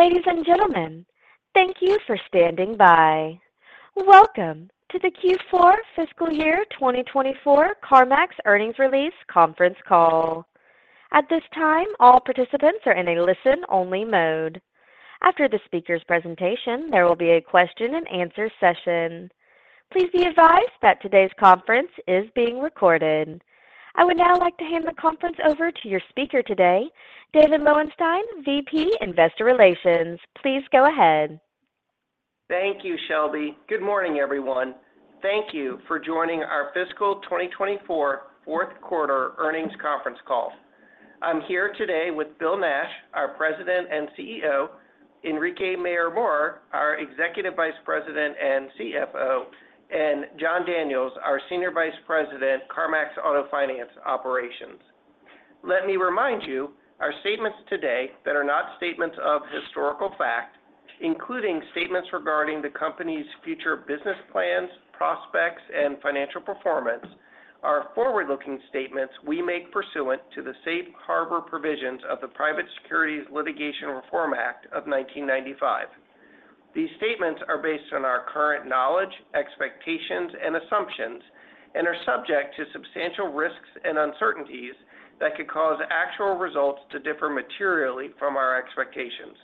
Ladies and gentlemen, thank you for standing by. Welcome to the Q4 fiscal year 2024 CarMax earnings release conference call. At this time, all participants are in a listen-only mode. After the speaker's presentation, there will be a question-and-answer session. Please be advised that today's conference is being recorded. I would now like to hand the conference over to your speaker today, David Lowenstein, VP Investor Relations. Please go ahead. Thank you, Shelby. Good morning, everyone. Thank you for joining our fiscal 2024 fourth quarter earnings conference call. I'm here today with Bill Nash, our President and CEO, Enrique Mayor-Mora, our Executive Vice President and CFO, and Jon Daniels, our Senior Vice President, CarMax Auto Finance Operations. Let me remind you, our statements today that are not statements of historical fact, including statements regarding the company's future business plans, prospects, and financial performance, are forward-looking statements we make pursuant to the safe harbor provisions of the Private Securities Litigation Reform Act of 1995. These statements are based on our current knowledge, expectations, and assumptions, and are subject to substantial risks and uncertainties that could cause actual results to differ materially from our expectations.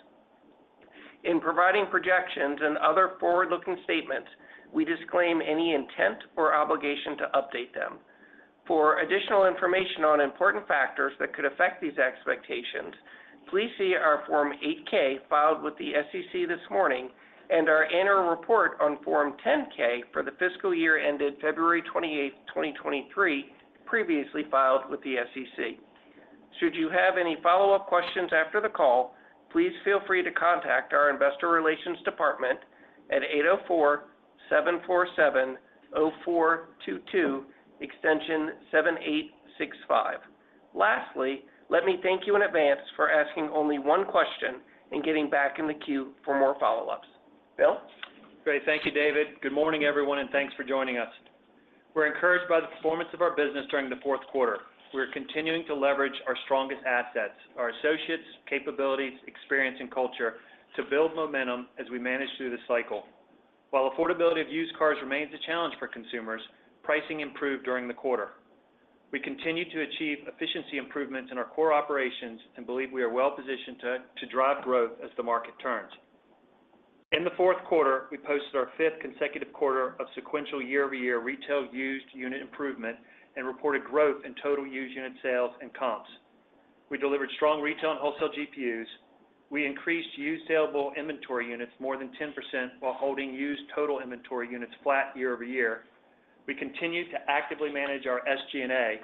In providing projections and other forward-looking statements, we disclaim any intent or obligation to update them. For additional information on important factors that could affect these expectations, please see our Form 8-K filed with the SEC this morning and our annual report on Form 10-K for the fiscal year ended February 28, 2023, previously filed with the SEC. Should you have any follow-up questions after the call, please feel free to contact our Investor Relations Department at 804-747-0422, extension 7865. Lastly, let me thank you in advance for asking only one question and getting back in the queue for more follow-ups. Bill? Great. Thank you, David. Good morning, everyone, and thanks for joining us. We're encouraged by the performance of our business during the fourth quarter. We're continuing to leverage our strongest assets: our associates, capabilities, experience, and culture to build momentum as we manage through the cycle. While affordability of used cars remains a challenge for consumers, pricing improved during the quarter. We continue to achieve efficiency improvements in our core operations and believe we are well-positioned to drive growth as the market turns. In the fourth quarter, we posted our fifth consecutive quarter of sequential year-over-year retail used unit improvement and reported growth in total used unit sales and comps. We delivered strong retail and wholesale GPUs. We increased used saleable inventory units more than 10% while holding used total inventory units flat year-over-year. We continued to actively manage our SG&A,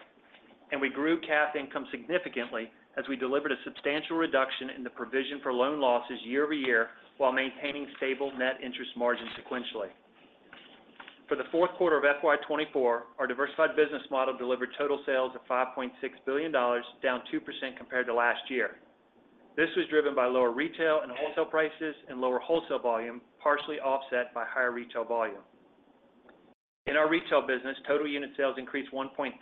and we grew CAF income significantly as we delivered a substantial reduction in the provision for loan losses year-over-year while maintaining stable net interest margin sequentially. For the fourth quarter of FY24, our diversified business model delivered total sales of $5.6 billion, down 2% compared to last year. This was driven by lower retail and wholesale prices and lower wholesale volume, partially offset by higher retail volume. In our retail business, total unit sales increased 1.3%,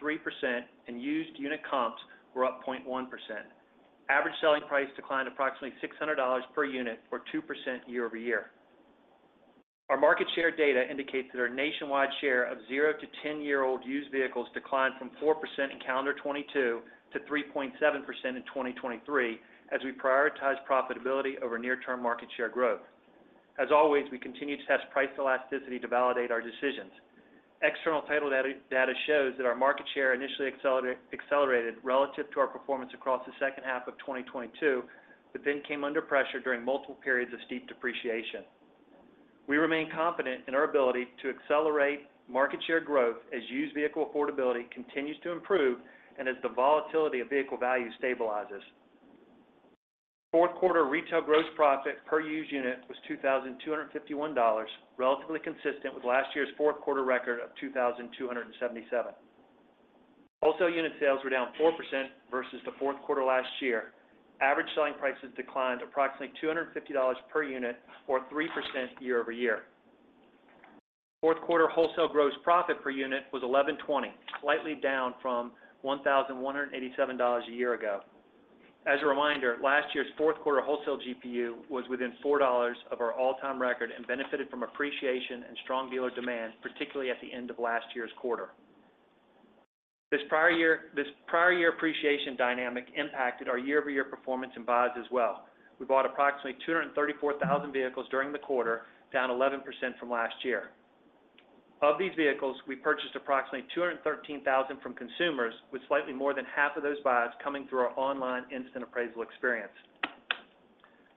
and used unit comps were up 0.1%. Average selling price declined approximately $600 per unit, or 2% year-over-year. Our market share data indicates that our nationwide share of 0 to 10-year-old used vehicles declined from 4% in calendar 2022 to 3.7% in 2023 as we prioritize profitability over near-term market share growth. As always, we continue to test price elasticity to validate our decisions. External title data shows that our market share initially accelerated relative to our performance across the second half of 2022, but then came under pressure during multiple periods of steep depreciation. We remain confident in our ability to accelerate market share growth as used vehicle affordability continues to improve and as the volatility of vehicle value stabilizes. Fourth quarter retail gross profit per used unit was $2,251, relatively consistent with last year's fourth quarter record of $2,277. Wholesale unit sales were down 4% versus the fourth quarter last year. Average selling prices declined approximately $250 per unit, or 3% year-over-year. Fourth quarter wholesale gross profit per unit was $1,120, slightly down from $1,187 a year ago. As a reminder, last year's fourth quarter wholesale GPU was within $4 of our all-time record and benefited from appreciation and strong dealer demand, particularly at the end of last year's quarter. This prior year appreciation dynamic impacted our year-over-year performance in buys as well. We bought approximately 234,000 vehicles during the quarter, down 11% from last year. Of these vehicles, we purchased approximately 213,000 from consumers, with slightly more than half of those buys coming through our online instant appraisal experience.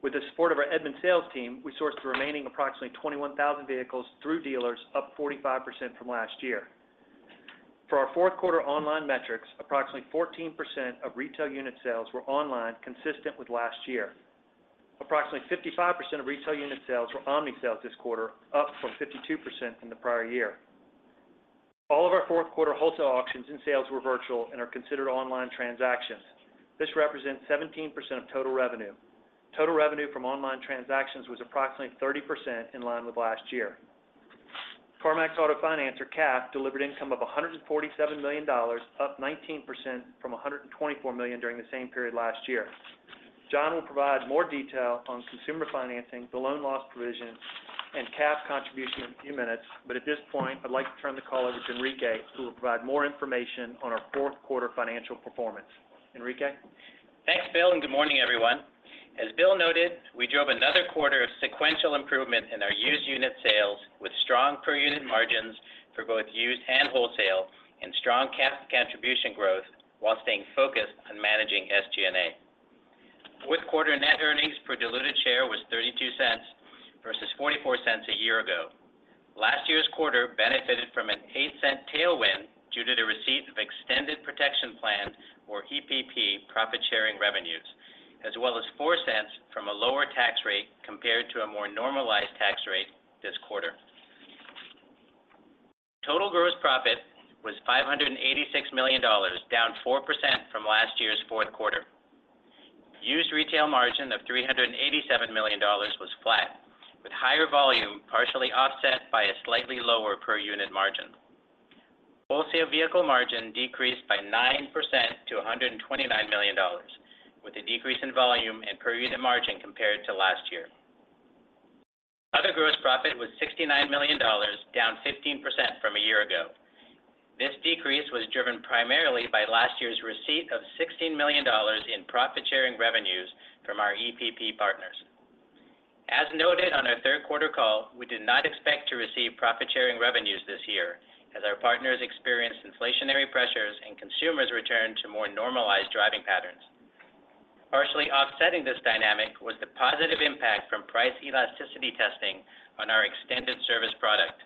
With the support of our Edmunds sales team, we sourced the remaining approximately 21,000 vehicles through dealers, up 45% from last year. For our fourth quarter online metrics, approximately 14% of retail unit sales were online, consistent with last year. Approximately 55% of retail unit sales were omni sales this quarter, up from 52% in the prior year. All of our fourth quarter wholesale auctions and sales were virtual and are considered online transactions. This represents 17% of total revenue. Total revenue from online transactions was approximately 30% in line with last year. CarMax Auto Finance, or CAF, delivered income of $147 million, up 19% from $124 million during the same period last year. Jon will provide more detail on consumer financing, the loan loss provision, and CAF contribution in a few minutes, but at this point, I'd like to turn the call over to Enrique, who will provide more information on our fourth quarter financial performance. Enrique? Thanks, Bill, and good morning, everyone. As Bill noted, we drove another quarter of sequential improvement in our used unit sales with strong per unit margins for both used and wholesale, and strong CAF contribution growth while staying focused on managing SG&A. Fourth quarter net earnings per diluted share was $0.32 versus $0.44 a year ago. Last year's quarter benefited from an $0.08 tailwind due to the receipt of extended protection plan, or EPP, profit-sharing revenues, as well as $0.04 from a lower tax rate compared to a more normalized tax rate this quarter. Total gross profit was $586 million, down 4% from last year's fourth quarter. Used retail margin of $387 million was flat, with higher volume partially offset by a slightly lower per unit margin. Wholesale vehicle margin decreased by 9% to $129 million, with a decrease in volume and per unit margin compared to last year. Other gross profit was $69 million, down 15% from a year ago. This decrease was driven primarily by last year's receipt of $16 million in profit-sharing revenues from our EPP partners. As noted on our third quarter call, we did not expect to receive profit-sharing revenues this year as our partners experienced inflationary pressures and consumers returned to more normalized driving patterns. Partially offsetting this dynamic was the positive impact from price elasticity testing on our extended service product.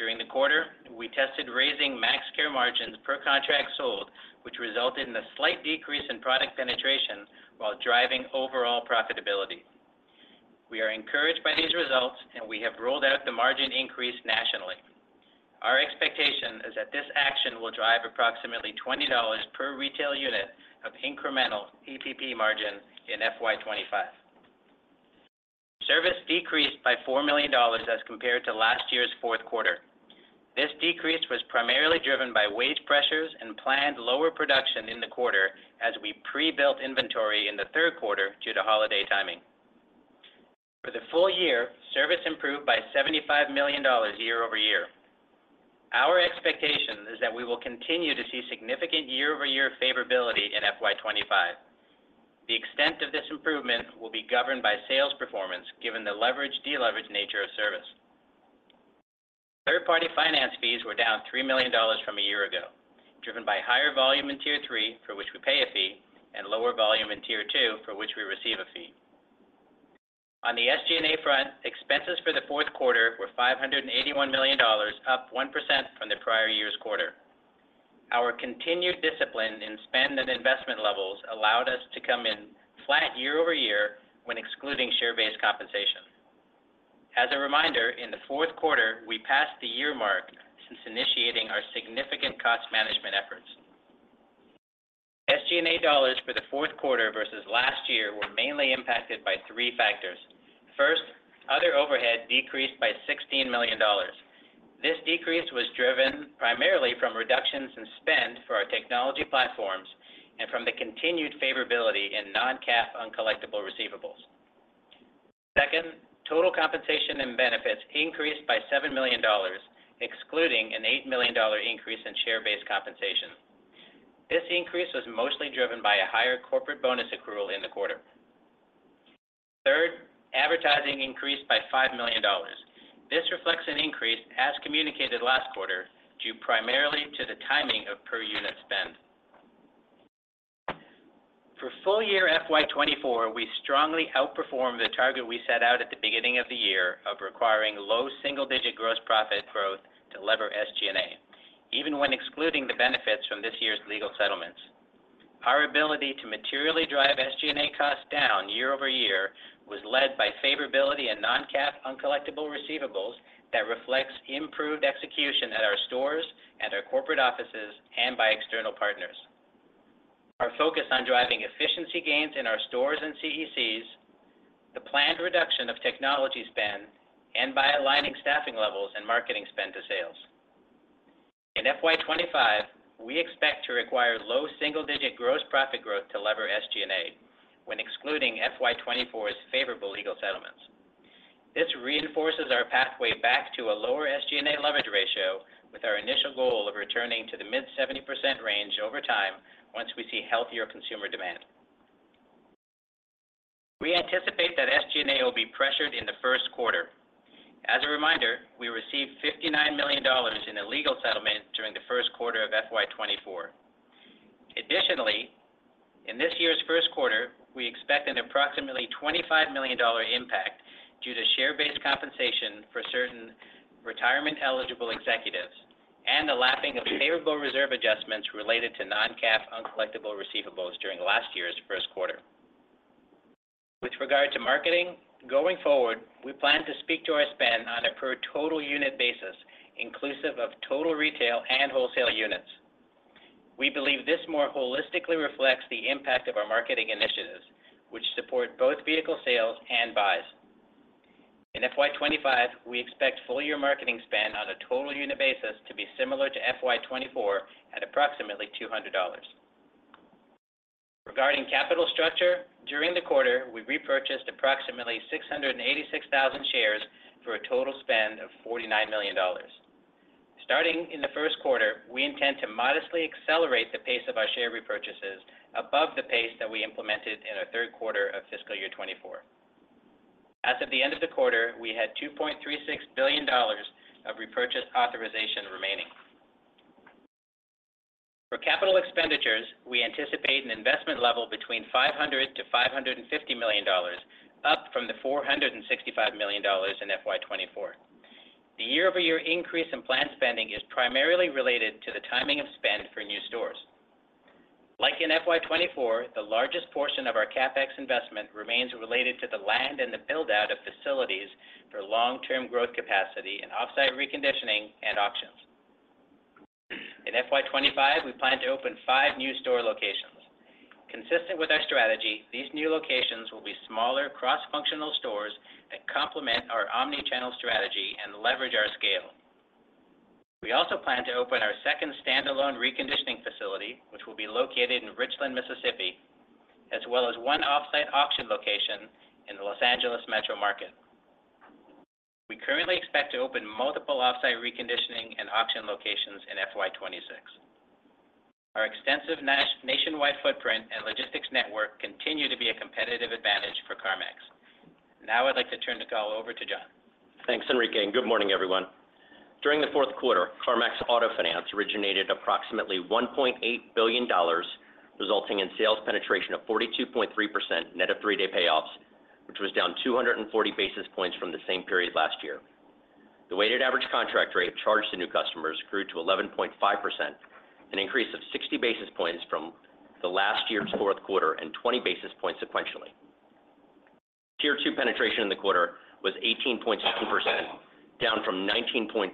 During the quarter, we tested raising MaxCare margins per contract sold, which resulted in a slight decrease in product penetration while driving overall profitability. We are encouraged by these results, and we have rolled out the margin increase nationally. Our expectation is that this action will drive approximately $20 per retail unit of incremental EPP margin in FY25. Service decreased by $4 million as compared to last year's fourth quarter. This decrease was primarily driven by wage pressures and planned lower production in the quarter as we pre-built inventory in the third quarter due to holiday timing. For the full year, service improved by $75 million year-over-year. Our expectation is that we will continue to see significant year-over-year favorability in FY25. The extent of this improvement will be governed by sales performance given the leveraged/de-leveraged nature of service. Third-party finance fees were down $3 million from a year ago, driven by higher volume in Tier 3, for which we pay a fee, and lower volume in tier 2, for which we receive a fee. On the SG&A front, expenses for the fourth quarter were $581 million, up 1% from the prior year's quarter. Our continued discipline in spend and investment levels allowed us to come in flat year-over-year when excluding share-based compensation. As a reminder, in the fourth quarter, we passed the year mark since initiating our significant cost management efforts. SG&A dollars for the fourth quarter versus last year were mainly impacted by three factors. First, other overhead decreased by $16 million. This decrease was driven primarily from reductions in spend for our technology platforms and from the continued favorability in non-CAF uncollectible receivables. Second, total compensation and benefits increased by $7 million, excluding an $8 million increase in share-based compensation. This increase was mostly driven by a higher corporate bonus accrual in the quarter. Third, advertising increased by $5 million. This reflects an increase, as communicated last quarter, due primarily to the timing of per unit spend. For full year FY24, we strongly outperformed the target we set out at the beginning of the year of requiring low single-digit gross profit growth to lever SG&A, even when excluding the benefits from this year's legal settlements. Our ability to materially drive SG&A costs down year-over-year was led by favorability in non-CAF uncollectible receivables that reflects improved execution at our stores and our corporate offices and by external partners. Our focus on driving efficiency gains in our stores and CECs, the planned reduction of technology spend, and by aligning staffing levels and marketing spend to sales. In FY25, we expect to require low single-digit gross profit growth to lever SG&A when excluding FY24's favorable legal settlements. This reinforces our pathway back to a lower SG&A leverage ratio, with our initial goal of returning to the mid-70% range over time once we see healthier consumer demand. We anticipate that SG&A will be pressured in the first quarter. As a reminder, we received $59 million in a legal settlement during the first quarter of FY24. Additionally, in this year's first quarter, we expect an approximately $25 million impact due to share-based compensation for certain retirement-eligible executives and the lapping of favorable reserve adjustments related to non-CAF uncollectible receivables during last year's first quarter. With regard to marketing, going forward, we plan to speak to our spend on a per total unit basis, inclusive of total retail and wholesale units. We believe this more holistically reflects the impact of our marketing initiatives, which support both vehicle sales and buys. In FY25, we expect full-year marketing spend on a total unit basis to be similar to FY24 at approximately $200. Regarding capital structure, during the quarter, we repurchased approximately 686,000 shares for a total spend of $49 million. Starting in the first quarter, we intend to modestly accelerate the pace of our share repurchases above the pace that we implemented in our third quarter of fiscal year 2024. As of the end of the quarter, we had $2.36 billion of repurchase authorization remaining. For capital expenditures, we anticipate an investment level between $500-$550 million, up from the $465 million in FY 2024. The year-over-year increase in planned spending is primarily related to the timing of spend for new stores. Like in FY 2024, the largest portion of our CAPEX investment remains related to the land and the build-out of facilities for long-term growth capacity and offsite reconditioning and auctions. In FY 2025, we plan to open five new store locations. Consistent with our strategy, these new locations will be smaller cross-functional stores that complement our omnichannel strategy and leverage our scale. We also plan to open our second standalone reconditioning facility, which will be located in Richland, Mississippi, as well as one offsite auction location in the Los Angeles metro market. We currently expect to open multiple offsite reconditioning and auction locations in FY26. Our extensive nationwide footprint and logistics network continue to be a competitive advantage for CarMax. Now I'd like to turn the call over to Jon. Thanks, Enrique, and good morning, everyone. During the fourth quarter, CarMax Auto Finance originated approximately $1.8 billion, resulting in sales penetration of 42.3% net of three-day payoffs, which was down 240 basis points from the same period last year. The weighted average contract rate charged to new customers grew to 11.5%, an increase of 60 basis points from the last year's fourth quarter and 20 basis points sequentially. Tier 2 penetration in the quarter was 18.6%, down from 19.4%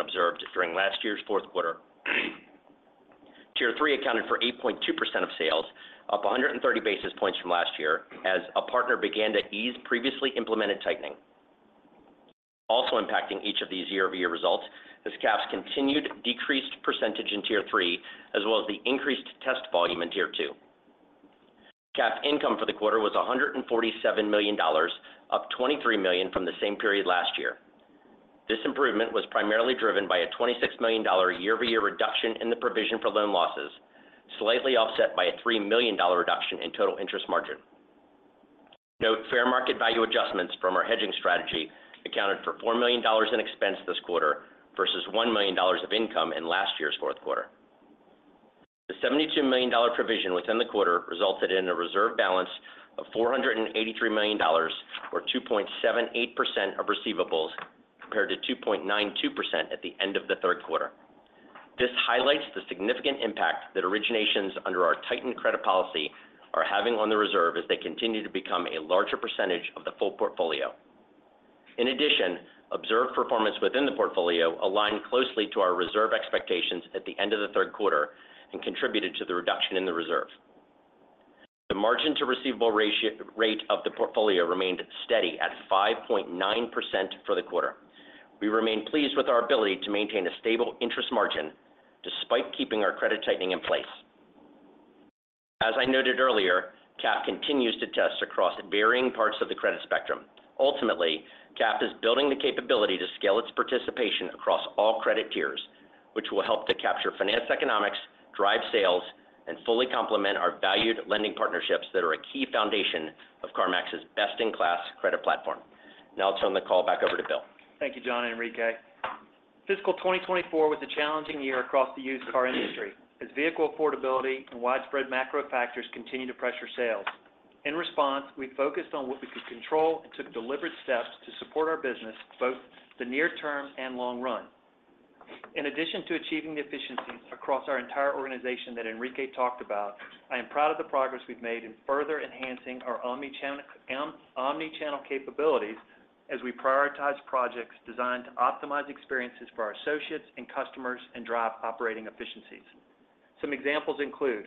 observed during last year's fourth quarter. Tier 3 accounted for 8.2% of sales, up 130 basis points from last year as a partner began to ease previously implemented tightening. Also impacting each of these year-over-year results is CAF's continued decreased percentage in Tier 3, as well as the increased test volume in tier 2. CAF income for the quarter was $147 million, up $23 million from the same period last year. This improvement was primarily driven by a $26 million year-over-year reduction in the provision for loan losses, slightly offset by a $3 million reduction in total interest margin. Note fair market value adjustments from our hedging strategy accounted for $4 million in expense this quarter versus $1 million of income in last year's fourth quarter. The $72 million provision within the quarter resulted in a reserve balance of $483 million, or 2.78% of receivables, compared to 2.92% at the end of the third quarter. This highlights the significant impact that originations under our tightened credit policy are having on the reserve as they continue to become a larger percentage of the full portfolio. In addition, observed performance within the portfolio aligned closely to our reserve expectations at the end of the third quarter and contributed to the reduction in the reserve. The margin-to-receivable rate of the portfolio remained steady at 5.9% for the quarter. We remain pleased with our ability to maintain a stable interest margin despite keeping our credit tightening in place. As I noted earlier, CAF continues to test across varying parts of the credit spectrum. Ultimately, CAF is building the capability to scale its participation across all credit tiers, which will help to capture finance economics, drive sales, and fully complement our valued lending partnerships that are a key foundation of CarMax's best-in-class credit platform. Now I'll turn the call back over to Bill. Thank you, Jon and Enrique. Fiscal 2024 was a challenging year across the used car industry as vehicle affordability and widespread macro factors continue to pressure sales. In response, we focused on what we could control and took deliberate steps to support our business both the near term and long run. In addition to achieving the efficiencies across our entire organization that Enrique talked about, I am proud of the progress we've made in further enhancing our omnichannel capabilities as we prioritize projects designed to optimize experiences for our associates and customers and drive operating efficiencies. Some examples include: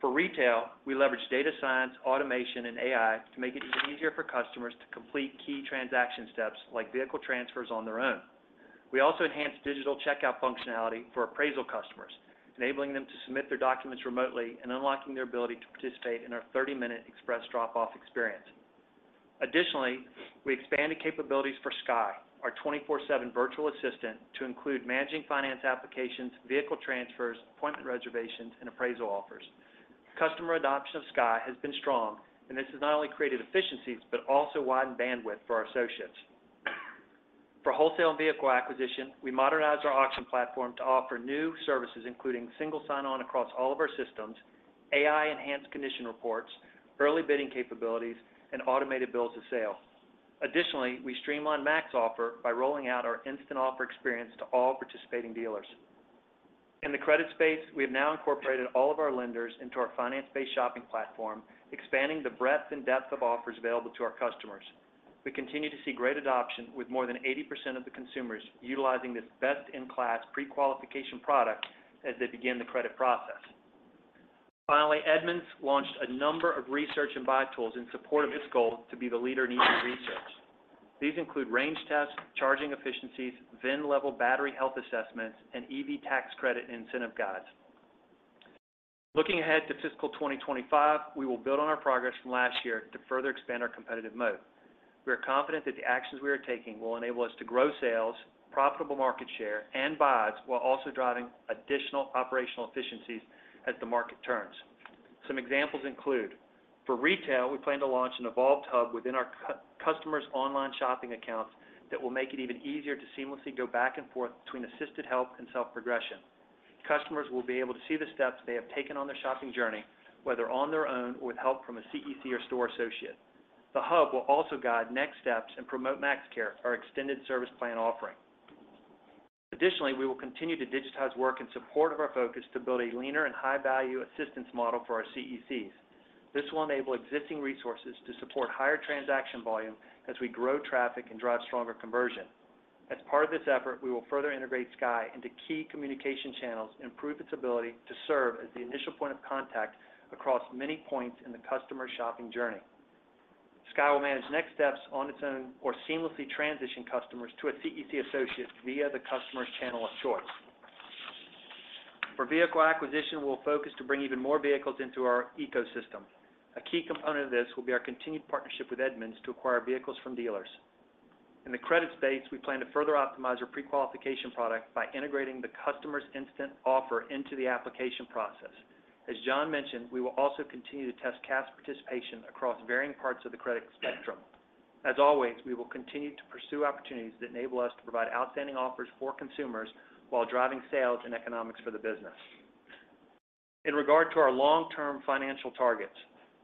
for retail, we leverage data science, automation, and AI to make it even easier for customers to complete key transaction steps like vehicle transfers on their own. We also enhanced digital checkout functionality for appraisal customers, enabling them to submit their documents remotely and unlocking their ability to participate in our 30-Minute Express Drop-Off experience. Additionally, we expanded capabilities for Sky, our 24/7 virtual assistant, to include managing finance applications, vehicle transfers, appointment reservations, and appraisal offers. Customer adoption of Sky has been strong, and this has not only created efficiencies but also widened bandwidth for our associates. For wholesale and vehicle acquisition, we modernized our auction platform to offer new services including single sign-on across all of our systems, AI-enhanced condition reports, early bidding capabilities, and automated bills of sale. Additionally, we streamlined MaxOffer by rolling out our Instant Offer experience to all participating dealers. In the credit space, we have now incorporated all of our lenders into our finance-based shopping platform, expanding the breadth and depth of offers available to our customers. We continue to see great adoption with more than 80% of the consumers utilizing this best-in-class pre-qualification product as they begin the credit process. Finally, Edmunds launched a number of research and buy tools in support of its goal to be the leader in EV research. These include range tests, charging efficiencies, VIN-level battery health assessments, and EV tax credit incentive guides. Looking ahead to fiscal 2025, we will build on our progress from last year to further expand our competitive mode. We are confident that the actions we are taking will enable us to grow sales, profitable market share, and buys while also driving additional operational efficiencies as the market turns. Some examples include: for retail, we plan to launch an evolved hub within our customers' online shopping accounts that will make it even easier to seamlessly go back and forth between assisted help and self-progression. Customers will be able to see the steps they have taken on their shopping journey, whether on their own or with help from a CEC or store associate. The hub will also guide next steps and promote MaxCare, our extended service plan offering. Additionally, we will continue to digitize work in support of our focus to build a leaner and high-value assistance model for our CECs. This will enable existing resources to support higher transaction volume as we grow traffic and drive stronger conversion. As part of this effort, we will further integrate Sky into key communication channels and improve its ability to serve as the initial point of contact across many points in the customer shopping journey. Sky will manage next steps on its own or seamlessly transition customers to a CEC associate via the customer's channel of choice. For vehicle acquisition, we will focus to bring even more vehicles into our ecosystem. A key component of this will be our continued partnership with Edmunds to acquire vehicles from dealers. In the credit space, we plan to further optimize our pre-qualification product by integrating the customer's Instant Offer into the application process. As Jon mentioned, we will also continue to test CAF's participation across varying parts of the credit spectrum. As always, we will continue to pursue opportunities that enable us to provide outstanding offers for consumers while driving sales and economics for the business. In regard to our long-term financial targets,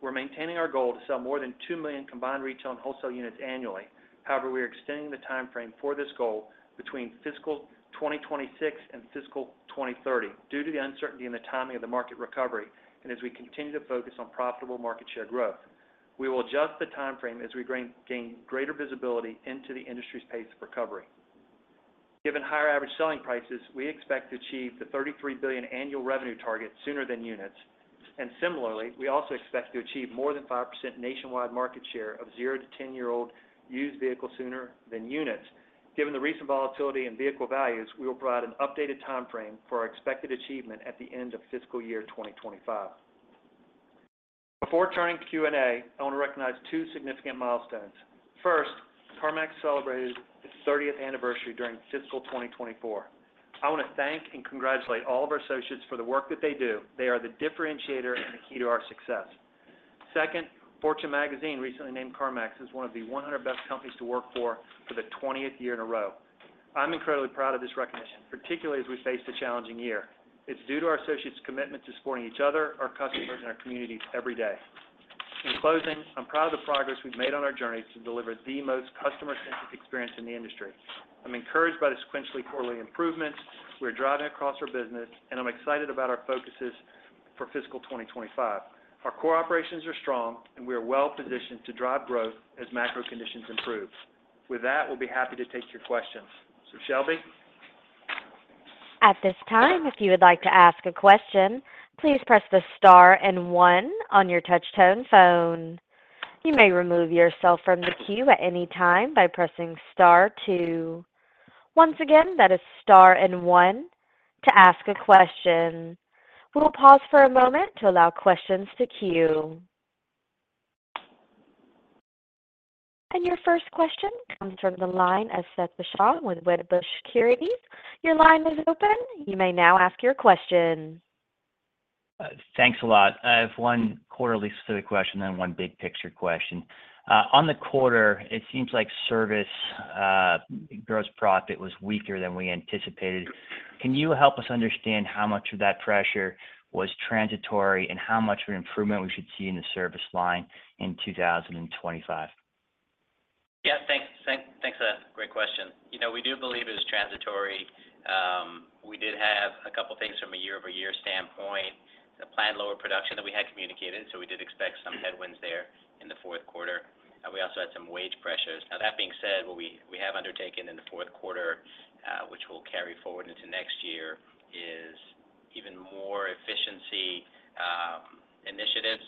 we're maintaining our goal to sell more than 2 million combined retail and wholesale units annually. However, we are extending the timeframe for this goal between fiscal 2026 and fiscal 2030 due to the uncertainty in the timing of the market recovery and as we continue to focus on profitable market share growth. We will adjust the timeframe as we gain greater visibility into the industry's pace of recovery. Given higher average selling prices, we expect to achieve the $33 billion annual revenue target sooner than units. And similarly, we also expect to achieve more than 5% nationwide market share of 0- to 10-year-old used vehicles sooner than units. Given the recent volatility in vehicle values, we will provide an updated timeframe for our expected achievement at the end of fiscal year 2025. Before turning to Q&A, I want to recognize two significant milestones. First, CarMax celebrated its 30th anniversary during fiscal 2024. I want to thank and congratulate all of our associates for the work that they do. They are the differentiator and the key to our success. Second, Fortune Magazine recently named CarMax as one of the 100 Best Companies to Work For for the 20th year in a row. I'm incredibly proud of this recognition, particularly as we face a challenging year. It's due to our associates' commitment to supporting each other, our customers, and our communities every day. In closing, I'm proud of the progress we've made on our journey to deliver the most customer-centric experience in the industry. I'm encouraged by the sequentially quarterly improvements. We are driving across our business, and I'm excited about our focuses for fiscal 2025. Our core operations are strong, and we are well positioned to drive growth as macro conditions improve. With that, we'll be happy to take your questions. So, Shelby? At this time, if you would like to ask a question, please press the star and one on your touch-tone phone. You may remove yourself from the queue at any time by pressing star two. Once again, that is star and one to ask a question. We'll pause for a moment to allow questions to queue. And your first question comes from the line of Seth Basham with Wedbush Securities. Your line is open. You may now ask your question. Thanks a lot. I have one quarterly specific question and then one big picture question. On the quarter, it seems like service gross profit was weaker than we anticipated. Can you help us understand how much of that pressure was transitory and how much of an improvement we should see in the service line in 2025? Yeah, thanks. Thanks for that great question. We do believe it was transitory. We did have a couple of things from a year-over-year standpoint. The planned lower production that we had communicated, so we did expect some headwinds there in the fourth quarter. We also had some wage pressures. Now, that being said, what we have undertaken in the fourth quarter, which we'll carry forward into next year, is even more efficiency initiatives.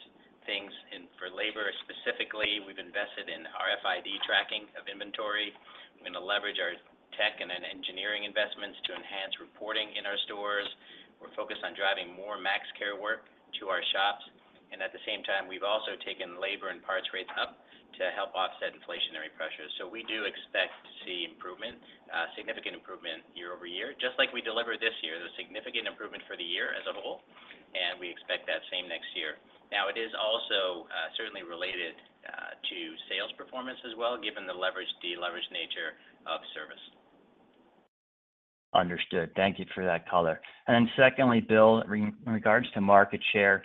Things for labor specifically, we've invested in RFID tracking of inventory. We're going to leverage our tech and engineering investments to enhance reporting in our stores. We're focused on driving more MaxCare work to our shops. And at the same time, we've also taken labor and parts rates up to help offset inflationary pressures. So we do expect to see improvement, significant improvement year-over-year. Just like we delivered this year, there was significant improvement for the year as a whole, and we expect that same next year. Now, it is also certainly related to sales performance as well, given the leveraged, de-leveraged nature of service. Understood. Thank you for that color. And then secondly, Bill, in regards to market share,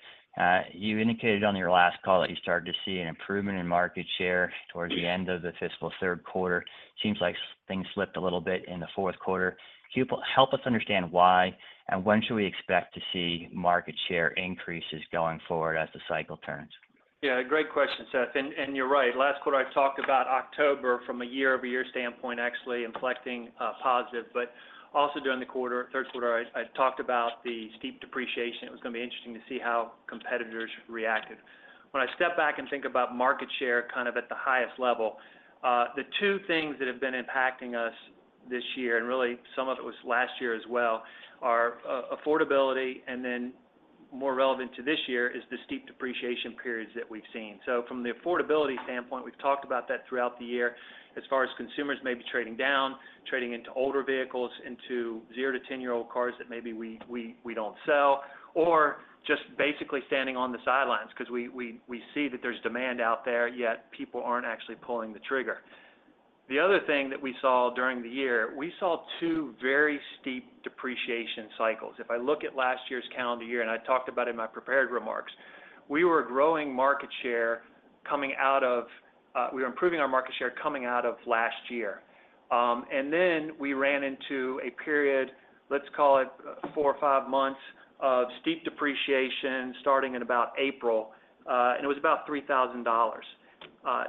you indicated on your last call that you started to see an improvement in market share towards the end of the fiscal third quarter. Seems like things slipped a little bit in the fourth quarter. Help us understand why, and when should we expect to see market share increases going forward as the cycle turns? Yeah, great question, Seth. And you're right. Last quarter, I've talked about October from a year-over-year standpoint, actually inflecting positive. But also during the third quarter, I talked about the steep depreciation. It was going to be interesting to see how competitors reacted. When I step back and think about market share kind of at the highest level, the two things that have been impacting us this year, and really some of it was last year as well, are affordability and then, more relevant to this year, is the steep depreciation periods that we've seen. So from the affordability standpoint, we've talked about that throughout the year. As far as consumers may be trading down, trading into older vehicles, into 0-10-year-old cars that maybe we don't sell, or just basically standing on the sidelines because we see that there's demand out there, yet people aren't actually pulling the trigger. The other thing that we saw during the year, we saw two very steep depreciation cycles. If I look at last year's calendar year, and I talked about it in my prepared remarks, we were growing market share coming out of we were improving our market share coming out of last year. And then we ran into a period, let's call it four or five months, of steep depreciation starting in about April, and it was about $3,000.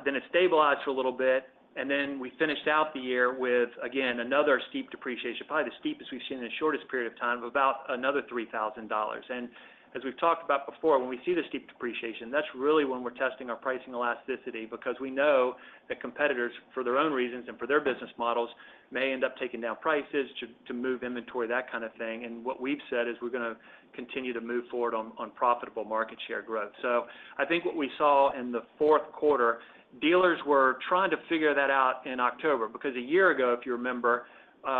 Then it stabilized for a little bit, and then we finished out the year with, again, another steep depreciation, probably the steepest we've seen in the shortest period of time, of about another $3,000. And as we've talked about before, when we see the steep depreciation, that's really when we're testing our pricing elasticity because we know that competitors, for their own reasons and for their business models, may end up taking down prices to move inventory, that kind of thing. And what we've said is we're going to continue to move forward on profitable market share growth. So I think what we saw in the fourth quarter, dealers were trying to figure that out in October because a year ago, if you remember,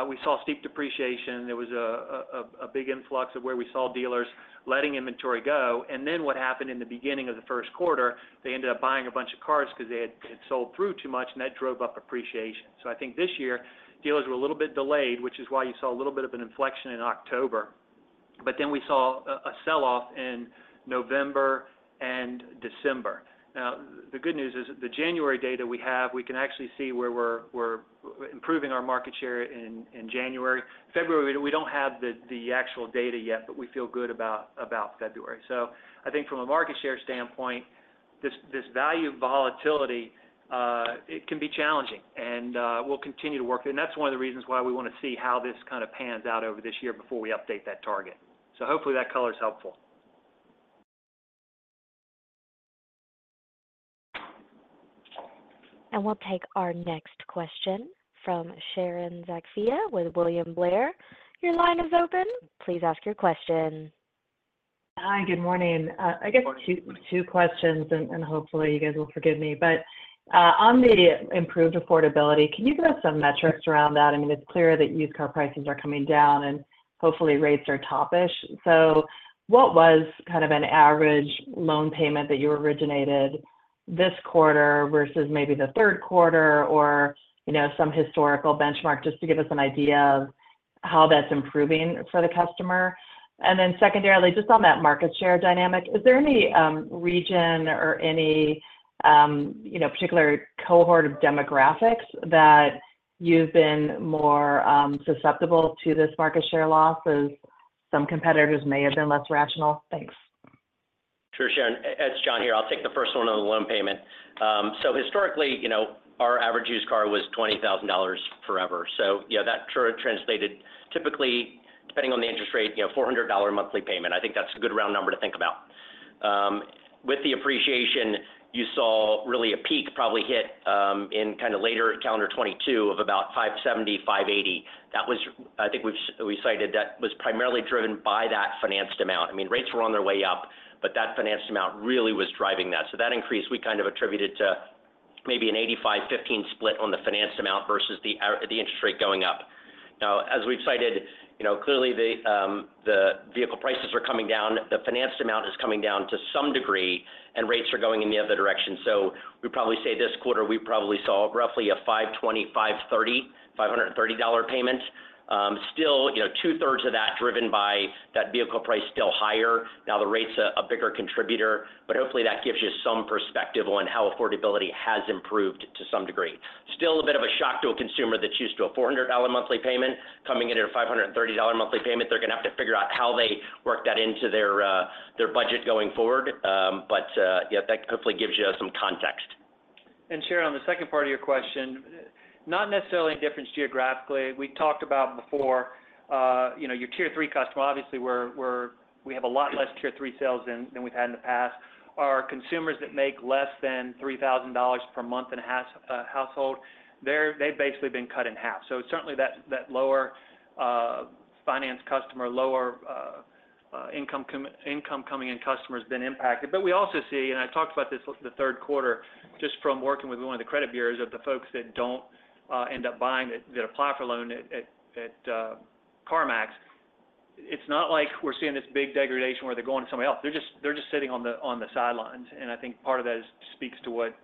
we saw steep depreciation. There was a big influx of where we saw dealers letting inventory go. And then what happened in the beginning of the first quarter, they ended up buying a bunch of cars because they had sold through too much, and that drove up appreciation. So I think this year, dealers were a little bit delayed, which is why you saw a little bit of an inflection in October. But then we saw a selloff in November and December. Now, the good news is the January data we have. We can actually see where we're improving our market share in January. February, we don't have the actual data yet, but we feel good about February. So I think from a market share standpoint, this value volatility, it can be challenging, and we'll continue to work. And that's one of the reasons why we want to see how this kind of pans out over this year before we update that target. Hopefully, that color is helpful. We'll take our next question from Sharon Zackfia with William Blair. Your line is open. Please ask your question. Hi, good morning. I guess two questions, and hopefully, you guys will forgive me. But on the improved affordability, can you give us some metrics around that? I mean, it's clear that used car prices are coming down, and hopefully, rates are top-ish. So what was kind of an average loan payment that you originated this quarter versus maybe the third quarter, or some historical benchmark just to give us an idea of how that's improving for the customer? And then secondarily, just on that market share dynamic, is there any region or any particular cohort of demographics that you've been more susceptible to this market share loss as some competitors may have been less rational? Thanks. True, Sharon. It's Jon here. I'll take the first one on the loan payment. So historically, our average used car was $20,000 forever. So that translated, typically, depending on the interest rate, $400 monthly payment. I think that's a good round number to think about. With the appreciation, you saw really a peak probably hit in kind of later calendar 2022 of about $570-$580. I think we cited that was primarily driven by that financed amount. I mean, rates were on their way up, but that financed amount really was driving that. So that increase, we kind of attributed to maybe an 85-15 split on the financed amount versus the interest rate going up. Now, as we've cited, clearly, the vehicle prices are coming down. The financed amount is coming down to some degree, and rates are going in the other direction. So we probably say this quarter, we probably saw roughly a $520-$530 payment. Still, two-thirds of that driven by that vehicle price still higher. Now, the rate's a bigger contributor, but hopefully, that gives you some perspective on how affordability has improved to some degree. Still a bit of a shock to a consumer that's used to a $400 monthly payment. Coming into a $530 monthly payment, they're going to have to figure out how they work that into their budget going forward. But that hopefully gives you some context. Sharon, the second part of your question, not necessarily in difference geographically. We talked about before, your tier three customer, obviously, we have a lot less tier three sales than we've had in the past. Our consumers that make less than $3,000 per month in a household, they've basically been cut in half. So certainly, that lower financed customer, lower income coming in customer has been impacted. But we also see, and I talked about this the third quarter just from working with one of the credit bureaus, of the folks that don't end up buying, that apply for a loan at CarMax, it's not like we're seeing this big degradation where they're going to somebody else. They're just sitting on the sidelines. And I think part of that speaks to what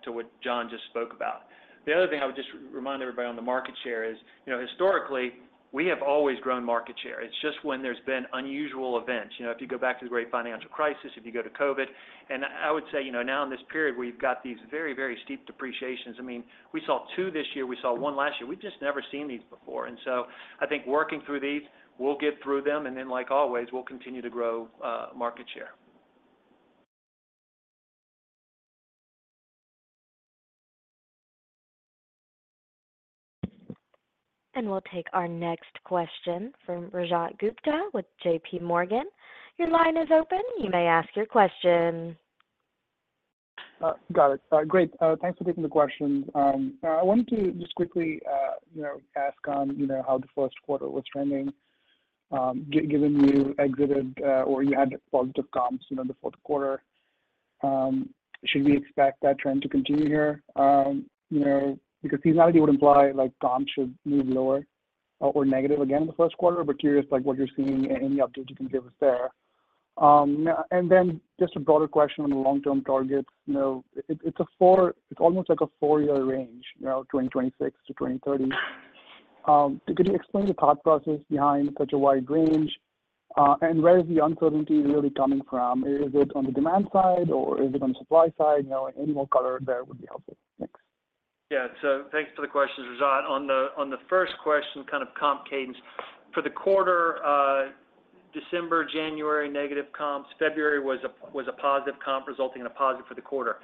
Jon just spoke about. The other thing I would just remind everybody on the market share is, historically, we have always grown market share. It's just when there's been unusual events. If you go back to the Great Financial Crisis, if you go to COVID, and I would say now in this period, we've got these very, very steep depreciations. I mean, we saw 2 this year. We saw 1 last year. We've just never seen these before. And so I think working through these, we'll get through them, and then, like always, we'll continue to grow market share. We'll take our next question from Rajat Gupta with JPMorgan. Your line is open. You may ask your question. Got it. Great. Thanks for taking the questions. I wanted to just quickly ask on how the first quarter was trending. Given you exited or you had positive comps the fourth quarter, should we expect that trend to continue here? Because seasonality would imply comps should move lower or negative again in the first quarter, but curious what you're seeing and any updates you can give us there. And then just a broader question on the long-term targets. It's almost like a four-year range, 2026 to 2030. Could you explain the thought process behind such a wide range? And where is the uncertainty really coming from? Is it on the demand side, or is it on the supply side? Any more color there would be helpful. Thanks. Yeah. So thanks for the questions, Rajat. On the first question, kind of comp cadence, for the quarter, December, January, negative comps. February was a positive comp resulting in a positive for the quarter.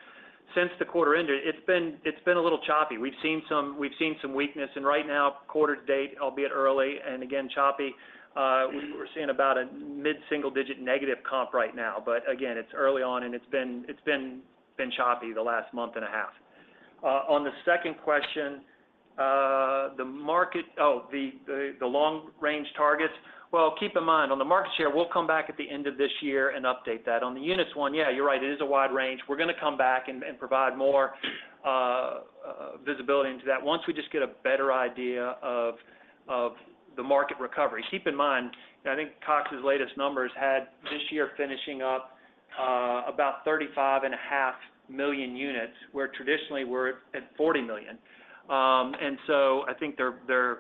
Since the quarter ended, it's been a little choppy. We've seen some weakness. And right now, quarter to date, albeit early and again choppy, we're seeing about a mid-single-digit negative comp right now. But again, it's early on, and it's been choppy the last month and a half. On the second question, the market, oh, the long-range targets. Well, keep in mind, on the market share, we'll come back at the end of this year and update that. On the units one, yeah, you're right. It is a wide range. We're going to come back and provide more visibility into that once we just get a better idea of the market recovery. Keep in mind, I think Cox's latest numbers had this year finishing up about 35.5 million units, where traditionally, we're at 40 million. So I think their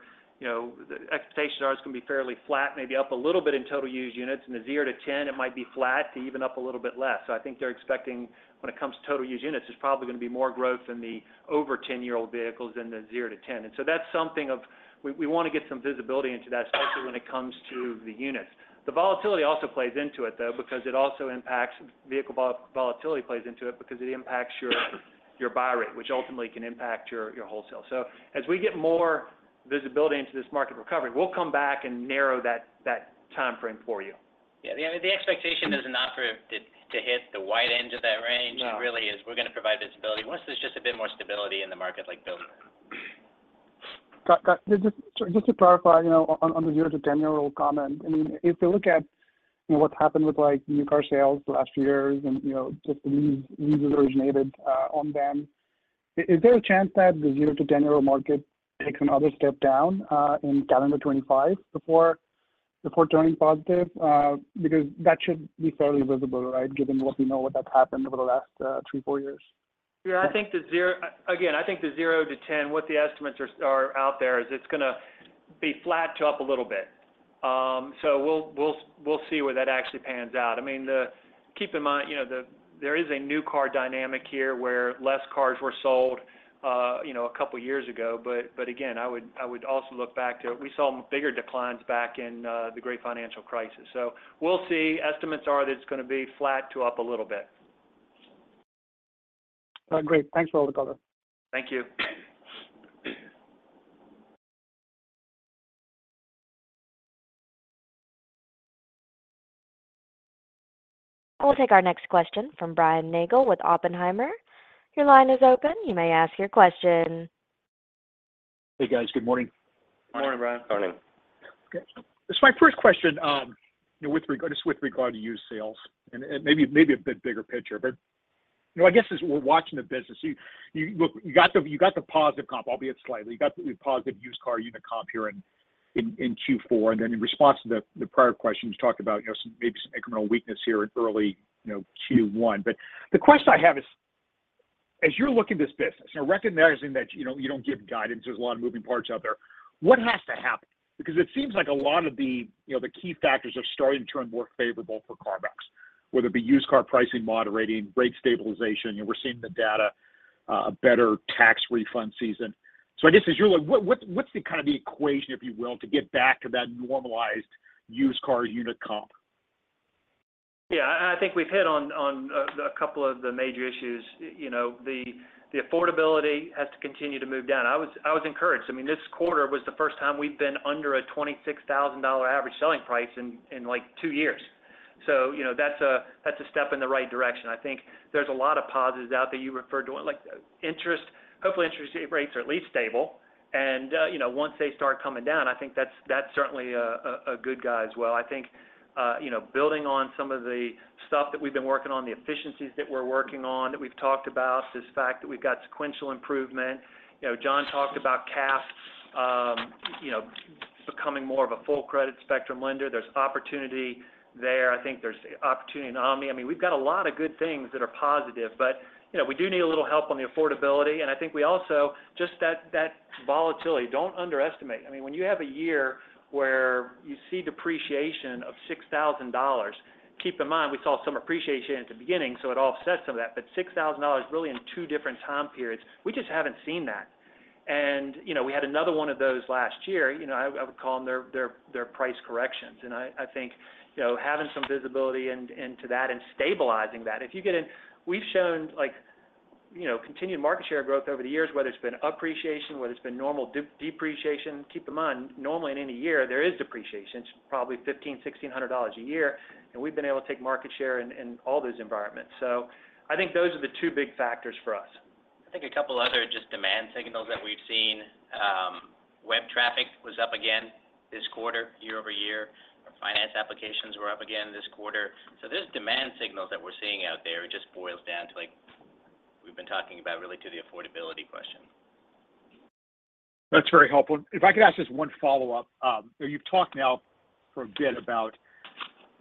expectations are it's going to be fairly flat, maybe up a little bit in total used units. In the 0-10, it might be flat to even up a little bit less. So I think they're expecting, when it comes to total used units, there's probably going to be more growth in the over 10-year-old vehicles than the 0-10. And so that's something of we want to get some visibility into that, especially when it comes to the units. The volatility also plays into it, though, because it also impacts vehicle volatility plays into it because it impacts your buy rate, which ultimately can impact your wholesale. So as we get more visibility into this market recovery, we'll come back and narrow that time frame for you. Yeah. I mean, the expectation is not for it to hit the wide end of that range. It really is we're going to provide visibility once there's just a bit more stability in the market like building. Just to clarify on the 0-10-year-old comment, I mean, if you look at what's happened with new car sales the last few years and just the leases originated on them, is there a chance that the 0-10-year-old market takes another step down in calendar 2025 before turning positive? Because that should be fairly visible, right, given what we know has happened over the last three, four years. Yeah. Again, I think the 0-10, what the estimates are out there is it's going to be flat to up a little bit. So we'll see where that actually pans out. I mean, keep in mind, there is a new car dynamic here where less cars were sold a couple of years ago. But again, I would also look back to we saw bigger declines back in the Great Financial Crisis. So we'll see. Estimates are that it's going to be flat to up a little bit. Great. Thanks for all the color. Thank you. We'll take our next question from Brian Nagel with Oppenheimer. Your line is open. You may ask your question. Hey, guys. Good morning. Good morning, Brian. Morning. Okay. This is my first question just with regard to used sales, and maybe a bit bigger picture. But I guess as we're watching the business, you got the positive comp, albeit slightly. You got the positive used car unit comp here in Q4. And then in response to the prior question, you talked about maybe some incremental weakness here in early Q1. But the question I have is, as you're looking at this business, recognizing that you don't give guidance, there's a lot of moving parts out there, what has to happen? Because it seems like a lot of the key factors are starting to turn more favorable for CarMax, whether it be used car pricing moderating, rate stabilization. We're seeing the data, a better tax refund season. I guess as you're looking, what's kind of the equation, if you will, to get back to that normalized used car unit comp? Yeah. And I think we've hit on a couple of the major issues. The affordability has to continue to move down. I was encouraged. I mean, this quarter was the first time we've been under a $26,000 average selling price in two years. So that's a step in the right direction. I think there's a lot of positives out there you referred to, hopefully, interest rates are at least stable. And once they start coming down, I think that's certainly a good thing as well. I think building on some of the stuff that we've been working on, the efficiencies that we're working on, that we've talked about, this fact that we've got sequential improvement. Jon talked about CAF becoming more of a full credit spectrum lender. There's opportunity there. I think there's opportunity in Omni. I mean, we've got a lot of good things that are positive, but we do need a little help on the affordability. And I think we also just that volatility. Don't underestimate. I mean, when you have a year where you see depreciation of $6,000, keep in mind, we saw some appreciation at the beginning, so it offsets some of that. But $6,000 really in two different time periods, we just haven't seen that. And we had another one of those last year. I would call them their price corrections. And I think having some visibility into that and stabilizing that, if you get in we've shown continued market share growth over the years, whether it's been appreciation, whether it's been normal depreciation. Keep in mind, normally, in any year, there is depreciation. It's probably $1,500, $1,600 a year. We've been able to take market share in all those environments. I think those are the two big factors for us. I think a couple other just demand signals that we've seen. Web traffic was up again this quarter, year over year. Finance applications were up again this quarter. So there's demand signals that we're seeing out there. It just boils down to we've been talking about, really, to the affordability question. That's very helpful. If I could ask just one follow-up. You've talked now for a bit about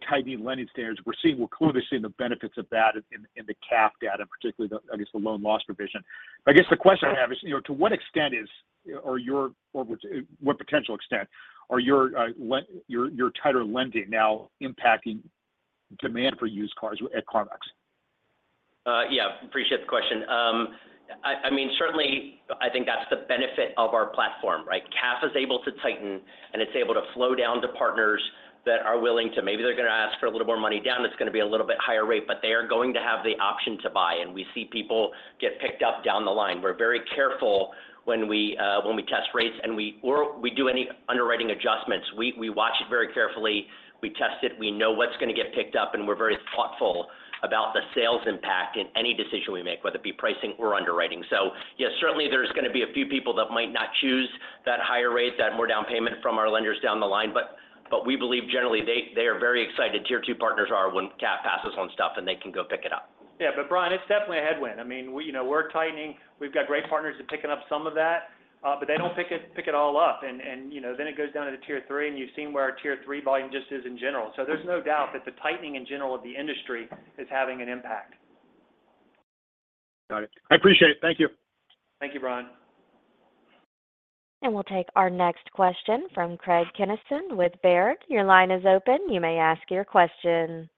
tighter lending standards. We're clearly seeing the benefits of that in the CAF data, particularly, I guess, the loan loss provision. But I guess the question I have is, to what extent is or what potential extent are your tighter lending now impacting demand for used cars at CarMax? Yeah. Appreciate the question. I mean, certainly, I think that's the benefit of our platform, right? CAF is able to tighten, and it's able to flow down to partners that are willing to maybe they're going to ask for a little more money down. It's going to be a little bit higher rate, but they are going to have the option to buy. And we see people get picked up down the line. We're very careful when we test rates, and we do any underwriting adjustments. We watch it very carefully. We test it. We know what's going to get picked up, and we're very thoughtful about the sales impact in any decision we make, whether it be pricing or underwriting. So yes, certainly, there's going to be a few people that might not choose that higher rate, that more down payment from our lenders down the line. But we believe, generally, they are very excited. Tier 2 partners are when CAF passes on stuff, and they can go pick it up. Yeah. But Brian, it's definitely a headwind. I mean, we're tightening. We've got great partners that are picking up some of that, but they don't pick it all up. And then it goes down to the Tier 3, and you've seen where our Tier 3 volume just is in general. So there's no doubt that the tightening, in general, of the industry is having an impact. Got it. I appreciate it. Thank you. Thank you, Brian. We'll take our next question from Craig Kennison with Baird. Your line is open. You may ask your question.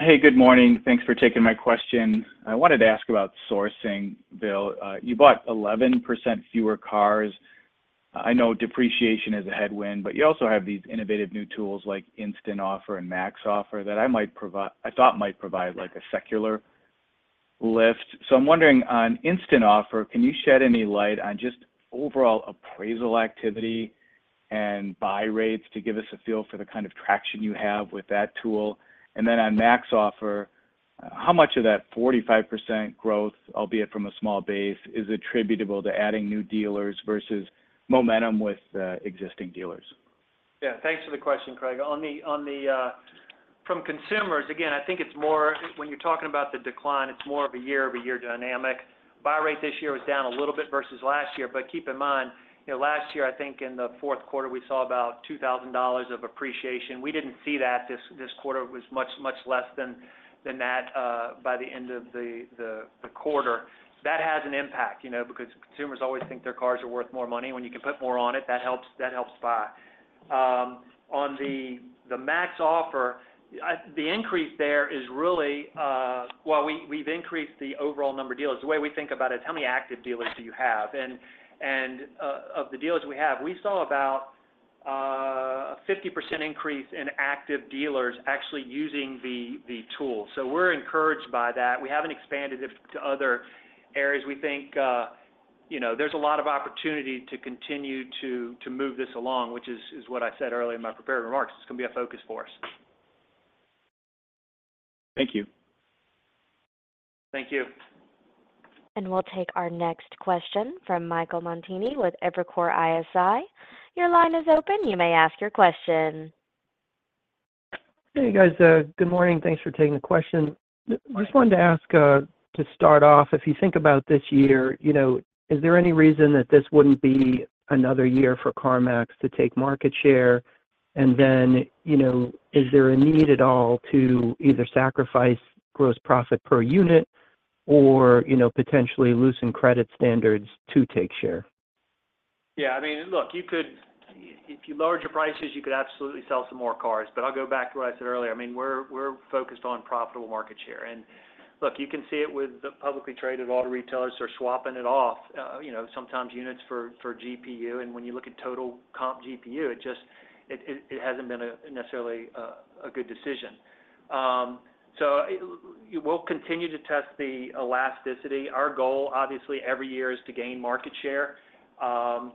Hey. Good morning. Thanks for taking my question. I wanted to ask about sourcing, Bill. You bought 11% fewer cars. I know depreciation is a headwind, but you also have these innovative new tools like Instant Offer and MaxOffer that I thought might provide a secular lift. So I'm wondering, on Instant Offer, can you shed any light on just overall appraisal activity and buy rates to give us a feel for the kind of traction you have with that tool? And then on MaxOffer, how much of that 45% growth, albeit from a small base, is attributable to adding new dealers versus momentum with existing dealers? Yeah. Thanks for the question, Craig. From consumers, again, I think it's more when you're talking about the decline, it's more of a year-over-year dynamic. Buy rate this year was down a little bit versus last year. But keep in mind, last year, I think in the fourth quarter, we saw about $2,000 of appreciation. We didn't see that this quarter. It was much less than that by the end of the quarter. That has an impact because consumers always think their cars are worth more money. When you can put more on it, that helps buy. On the MaxOffer, the increase there is really well, we've increased the overall number of dealers. The way we think about it is, how many active dealers do you have? And of the dealers we have, we saw about a 50% increase in active dealers actually using the tool. We're encouraged by that. We haven't expanded it to other areas. We think there's a lot of opportunity to continue to move this along, which is what I said earlier in my prepared remarks. It's going to be a focus for us. Thank you. Thank you. We'll take our next question from Michael Montani with Evercore ISI. Your line is open. You may ask your question. Hey, guys. Good morning. Thanks for taking the question. I just wanted to ask to start off, if you think about this year, is there any reason that this wouldn't be another year for CarMax to take market share? And then is there a need at all to either sacrifice gross profit per unit or potentially loosen credit standards to take share? Yeah. I mean, look, if you lowered your prices, you could absolutely sell some more cars. But I'll go back to what I said earlier. I mean, we're focused on profitable market share. And look, you can see it with the publicly traded auto retailers who are swapping it off, sometimes units for GPU. And when you look at total comp GPU, it hasn't been necessarily a good decision. So we'll continue to test the elasticity. Our goal, obviously, every year is to gain market share. I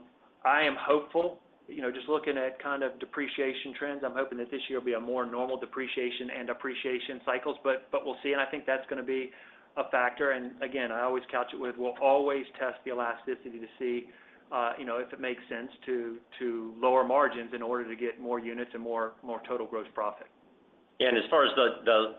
am hopeful. Just looking at kind of depreciation trends, I'm hoping that this year will be a more normal depreciation and appreciation cycles. But we'll see. And I think that's going to be a factor. And again, I always couch it with, we'll always test the elasticity to see if it makes sense to lower margins in order to get more units and more total gross profit. Yeah. As far as the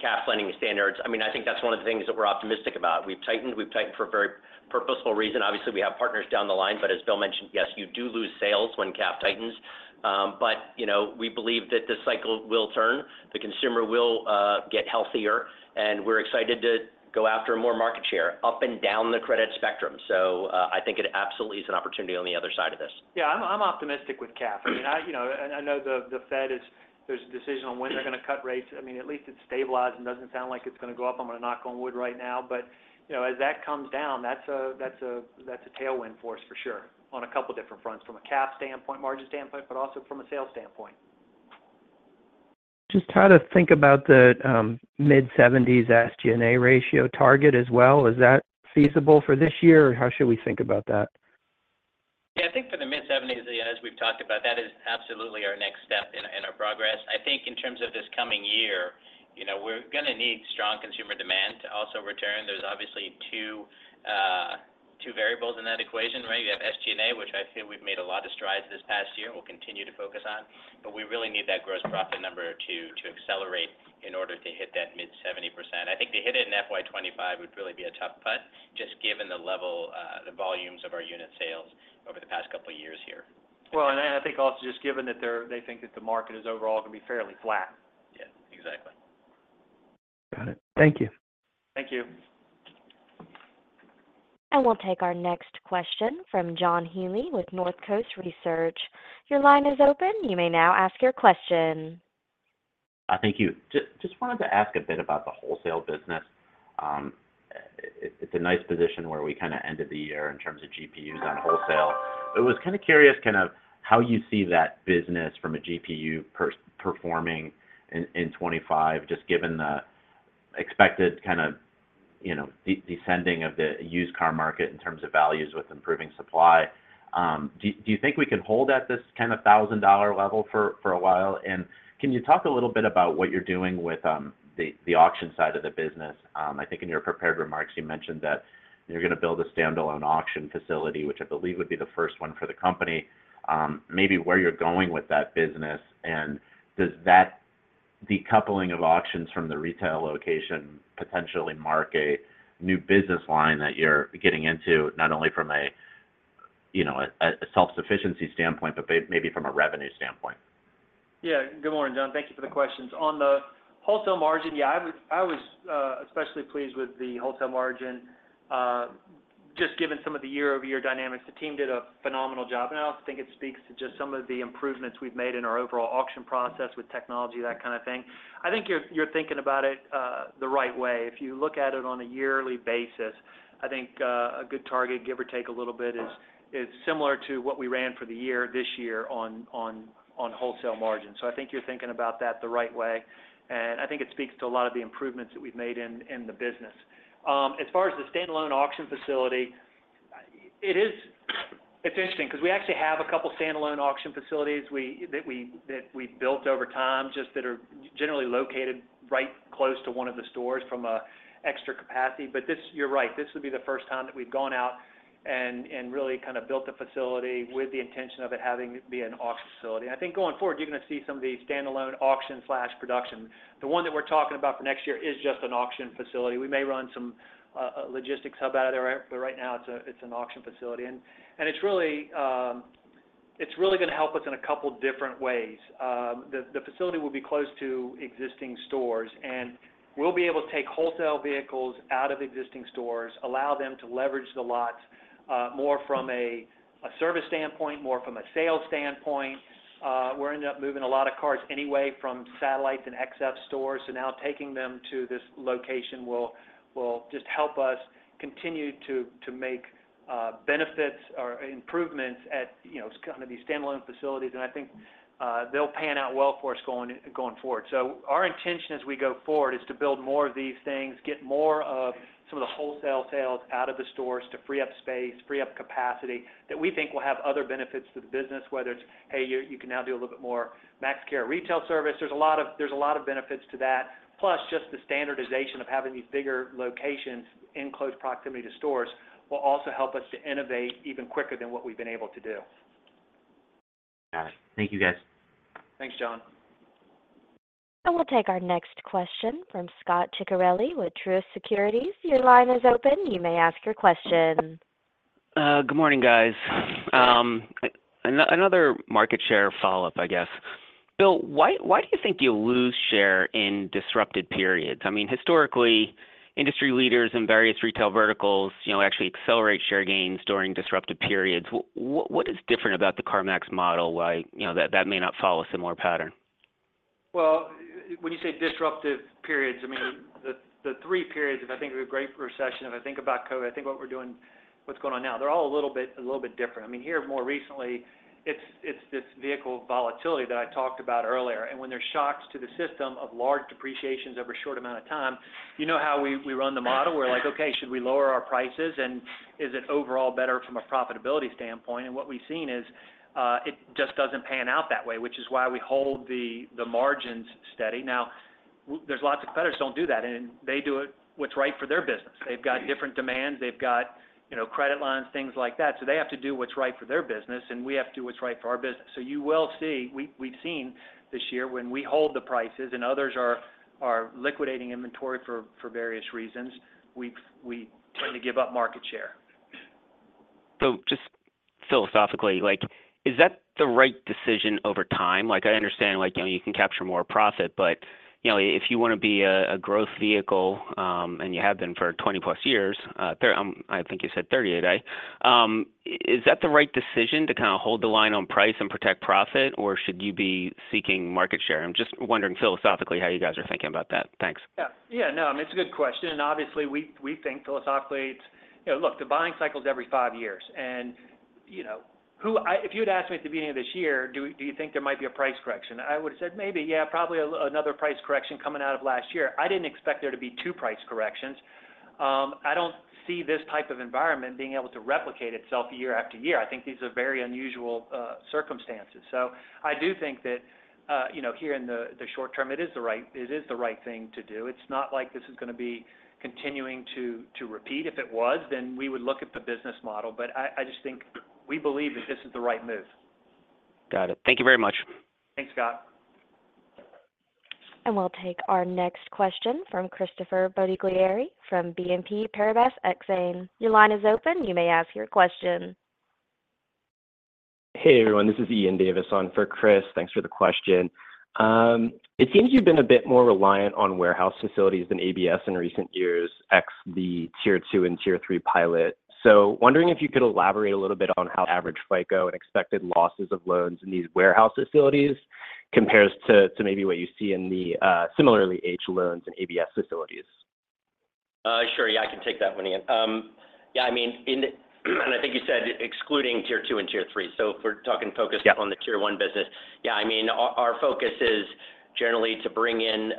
CAF lending standards, I mean, I think that's one of the things that we're optimistic about. We've tightened. We've tightened for a very purposeful reason. Obviously, we have partners down the line. But as Bill mentioned, yes, you do lose sales when CAF tightens. But we believe that this cycle will turn. The consumer will get healthier, and we're excited to go after more market share, up and down the credit spectrum. So I think it absolutely is an opportunity on the other side of this. Yeah. I'm optimistic with CAF. I mean, I know the Fed, there's a decision on when they're going to cut rates. I mean, at least it's stabilized and doesn't sound like it's going to go up. I'm going to knock on wood right now. But as that comes down, that's a tailwind for us for sure on a couple of different fronts, from a CAF standpoint, margin standpoint, but also from a sales standpoint. Just trying to think about the mid-70s SG&A ratio target as well. Is that feasible for this year, or how should we think about that? Yeah. I think for the mid-70s, as we've talked about, that is absolutely our next step in our progress. I think in terms of this coming year, we're going to need strong consumer demand to also return. There's obviously two variables in that equation, right? You have SG&A, which I feel we've made a lot of strides this past year and will continue to focus on. But we really need that gross profit number to accelerate in order to hit that mid-70%. I think to hit it in FY25 would really be a tough cut just given the volumes of our unit sales over the past couple of years here. Well, and I think also just given that they think that the market is overall going to be fairly flat. Yeah. Exactly. Got it. Thank you. Thank you. We'll take our next question from John Healy with Northcoast Research. Your line is open. You may now ask your question. Thank you. Just wanted to ask a bit about the wholesale business. It's a nice position where we kind of ended the year in terms of GPUs on wholesale. But I was kind of curious kind of how you see that business from a GPU performing in 2025, just given the expected kind of descending of the used car market in terms of values with improving supply. Do you think we can hold at this kind of $1,000 level for a while? And can you talk a little bit about what you're doing with the auction side of the business? I think in your prepared remarks, you mentioned that you're going to build a standalone auction facility, which I believe would be the first one for the company. Maybe where you're going with that business, and does that decoupling of auctions from the retail location potentially mark a new business line that you're getting into, not only from a self-sufficiency standpoint, but maybe from a revenue standpoint? Yeah. Good morning, John. Thank you for the questions. On the wholesale margin, yeah, I was especially pleased with the wholesale margin. Just given some of the year-over-year dynamics, the team did a phenomenal job. And I also think it speaks to just some of the improvements we've made in our overall auction process with technology, that kind of thing. I think you're thinking about it the right way. If you look at it on a yearly basis, I think a good target, give or take a little bit, is similar to what we ran for the year this year on wholesale margins. So I think you're thinking about that the right way. And I think it speaks to a lot of the improvements that we've made in the business. As far as the standalone auction facility, it's interesting because we actually have a couple of standalone auction facilities that we've built over time just that are generally located right close to one of the stores from an extra capacity. But you're right. This would be the first time that we'd gone out and really kind of built a facility with the intention of it having to be an auction facility. And I think going forward, you're going to see some of these standalone auction/production. The one that we're talking about for next year is just an auction facility. We may run some logistics hub out of there, but right now, it's an auction facility. And it's really going to help us in a couple of different ways. The facility will be close to existing stores, and we'll be able to take wholesale vehicles out of existing stores, allow them to leverage the lots more from a service standpoint, more from a sale standpoint. We're ending up moving a lot of cars anyway from satellites and XF stores. So now taking them to this location will just help us continue to make benefits or improvements at kind of these standalone facilities. And I think they'll pan out well for us going forward. So our intention as we go forward is to build more of these things, get more of some of the wholesale sales out of the stores to free up space, free up capacity that we think will have other benefits to the business, whether it's, "Hey, you can now do a little bit more MaxCare retail service." There's a lot of benefits to that. Plus, just the standardization of having these bigger locations in close proximity to stores will also help us to innovate even quicker than what we've been able to do. Got it. Thank you, guys. Thanks, John. We'll take our next question from Scot Ciccarelli with Truist Securities. Your line is open. You may ask your question. Good morning, guys. Another market share follow-up, I guess. Bill, why do you think you lose share in disrupted periods? I mean, historically, industry leaders in various retail verticals actually accelerate share gains during disrupted periods. What is different about the CarMax model why that may not follow a similar pattern? Well, when you say disrupted periods, I mean, the three periods of, I think, a Great Recession, if I think about COVID, I think what we're doing, what's going on now, they're all a little bit different. I mean, here, more recently, it's this vehicle volatility that I talked about earlier. And when there's shocks to the system of large depreciations over a short amount of time, you know how we run the model? We're like, "Okay. Should we lower our prices? And is it overall better from a profitability standpoint?" And what we've seen is it just doesn't pan out that way, which is why we hold the margins steady. Now, there's lots of competitors who don't do that, and they do what's right for their business. They've got different demands. They've got credit lines, things like that. So they have to do what's right for their business, and we have to do what's right for our business. So you will see we've seen this year when we hold the prices and others are liquidating inventory for various reasons, we tend to give up market share. So just philosophically, is that the right decision over time? I understand you can capture more profit, but if you want to be a growth vehicle, and you have been for 20-plus years - I think you said 30 today - is that the right decision to kind of hold the line on price and protect profit, or should you be seeking market share? I'm just wondering philosophically how you guys are thinking about that. Thanks. Yeah. Yeah. No. I mean, it's a good question. And obviously, we think philosophically, it's look, the buying cycle is every five years. And if you had asked me at the beginning of this year, "Do you think there might be a price correction?" I would have said, "Maybe. Yeah. Probably another price correction coming out of last year." I didn't expect there to be two price corrections. I don't see this type of environment being able to replicate itself year after year. I think these are very unusual circumstances. So I do think that here in the short term, it is the right thing to do. It's not like this is going to be continuing to repeat. If it was, then we would look at the business model. But I just think we believe that this is the right move. Got it. Thank you very much. Thanks, Scott. We'll take our next question from Christopher Bottiglieri from BNP Paribas Exane. Your line is open. You may ask your question. Hey, everyone. This is Ian Davis on for Chris. Thanks for the question. It seems you've been a bit more reliant on warehouse facilities than ABS in recent years ex the tier 2 and tier 3 pilot. So wondering if you could elaborate a little bit on how average FICO and expected losses of loans in these warehouse facilities compares to maybe what you see in the similarly high loans and ABS facilities? Sure. Yeah. I can take that one, Ian. Yeah. I mean, and I think you said excluding tier 2 and Tier 3. So if we're talking focused on the Tier 1 business, yeah, I mean, our focus is generally to bring in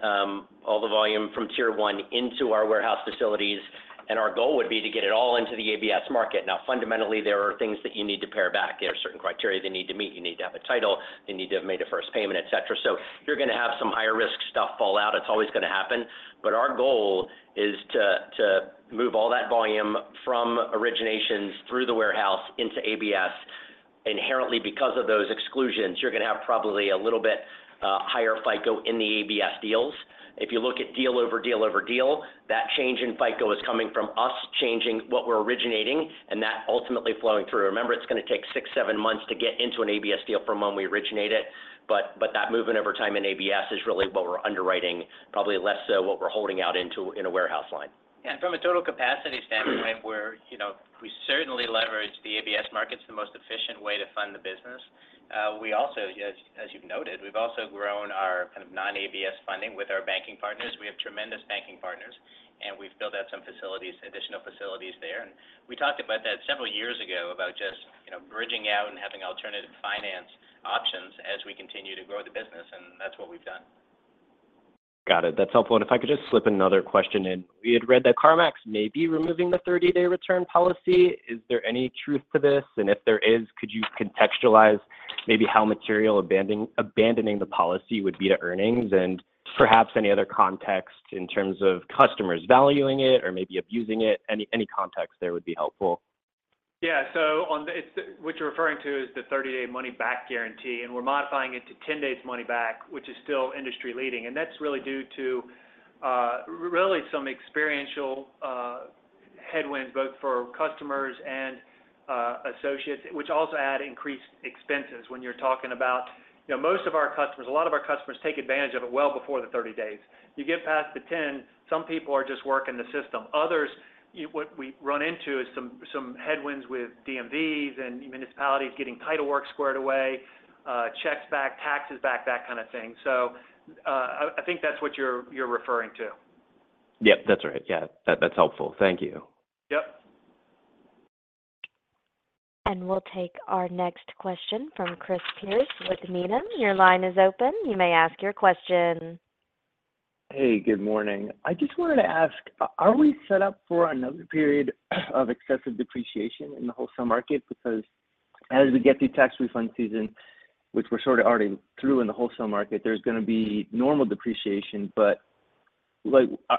all the volume from Tier 1 into our warehouse facilities. And our goal would be to get it all into the ABS market. Now, fundamentally, there are things that you need to pare back. There are certain criteria they need to meet. You need to have a title. They need to have made a first payment, etc. So you're going to have some higher-risk stuff fall out. It's always going to happen. But our goal is to move all that volume from originations through the warehouse into ABS. Inherently, because of those exclusions, you're going to have probably a little bit higher FICO in the ABS deals. If you look at deal over deal over deal, that change in FICO is coming from us changing what we're originating and that ultimately flowing through. Remember, it's going to take six to seven months to get into an ABS deal from when we originate it. But that movement over time in ABS is really what we're underwriting, probably less so what we're holding out into in a warehouse line. Yeah. And from a total capacity standpoint, we certainly leverage the ABS markets. The most efficient way to fund the business. We also, as you've noted, we've also grown our kind of non-ABS funding with our banking partners. We have tremendous banking partners, and we've built out some additional facilities there. And we talked about that several years ago about just bridging out and having alternative finance options as we continue to grow the business. And that's what we've done. Got it. That's helpful. And if I could just slip another question in. We had read that CarMax may be removing the 30-day return policy. Is there any truth to this? And if there is, could you contextualize maybe how material abandoning the policy would be to earnings and perhaps any other context in terms of customers valuing it or maybe abusing it? Any context there would be helpful. Yeah. So what you're referring to is the 30-day money-back guarantee. And we're modifying it to 10 days money back, which is still industry-leading. And that's really due to really some experiential headwinds both for customers and associates, which also add increased expenses when you're talking about most of our customers. A lot of our customers take advantage of it well before the 30 days. You get past the 10, some people are just working the system. Others, what we run into is some headwinds with DMVs and municipalities getting title work squared away, checks back, taxes back, that kind of thing. So I think that's what you're referring to. Yep. That's right. Yeah. That's helpful. Thank you. Yep. We'll take our next question from Chris Pierce with Needham. Your line is open. You may ask your question. Hey. Good morning. I just wanted to ask, are we set up for another period of excessive depreciation in the wholesale market? Because as we get through tax refund season, which we're sort of already through in the wholesale market, there's going to be normal depreciation. But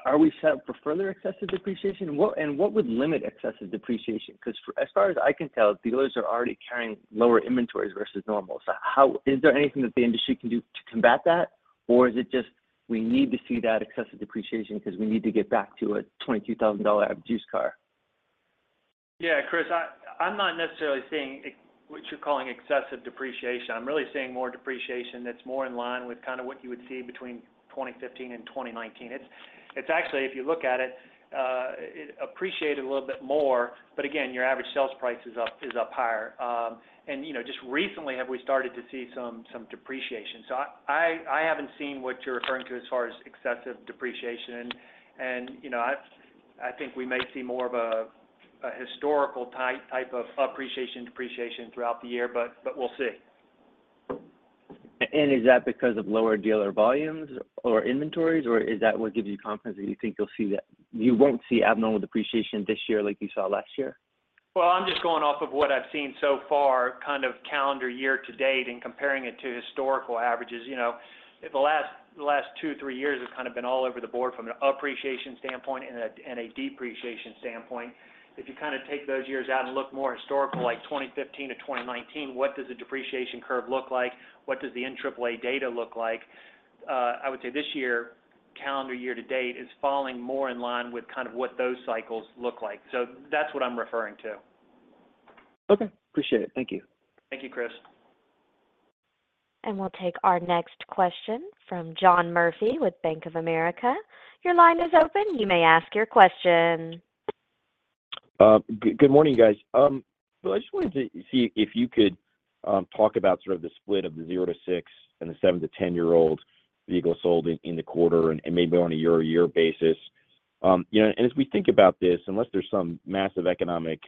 are we set up for further excessive depreciation? And what would limit excessive depreciation? Because as far as I can tell, dealers are already carrying lower inventories versus normal. So is there anything that the industry can do to combat that, or is it just we need to see that excessive depreciation because we need to get back to a $22,000 abused car? Yeah. Chris, I'm not necessarily seeing what you're calling excessive depreciation. I'm really seeing more depreciation that's more in line with kind of what you would see between 2015 and 2019. It's actually, if you look at it, appreciated a little bit more. But again, your average sales price is up higher. And just recently, have we started to see some depreciation? So I haven't seen what you're referring to as far as excessive depreciation. And I think we may see more of a historical type of appreciation, depreciation throughout the year, but we'll see. Is that because of lower dealer volumes or inventories, or is that what gives you confidence that you think you'll see that you won't see abnormal depreciation this year like you saw last year? Well, I'm just going off of what I've seen so far, kind of calendar year to date, and comparing it to historical averages. The last two to three years have kind of been all over the board from an appreciation standpoint and a depreciation standpoint. If you kind of take those years out and look more historical, like 2015 to 2019, what does the depreciation curve look like? What does the NAAA data look like? I would say this year, calendar year to date, is falling more in line with kind of what those cycles look like. So that's what I'm referring to. Okay. Appreciate it. Thank you. Thank you, Chris. We'll take our next question from John Murphy with Bank of America. Your line is open. You may ask your question. Good morning, guys. Bill, I just wanted to see if you could talk about sort of the split of the zero to six and the seven to 10-year-old vehicle sold in the quarter and maybe on a year-to-year basis. And as we think about this, unless there's some massive economic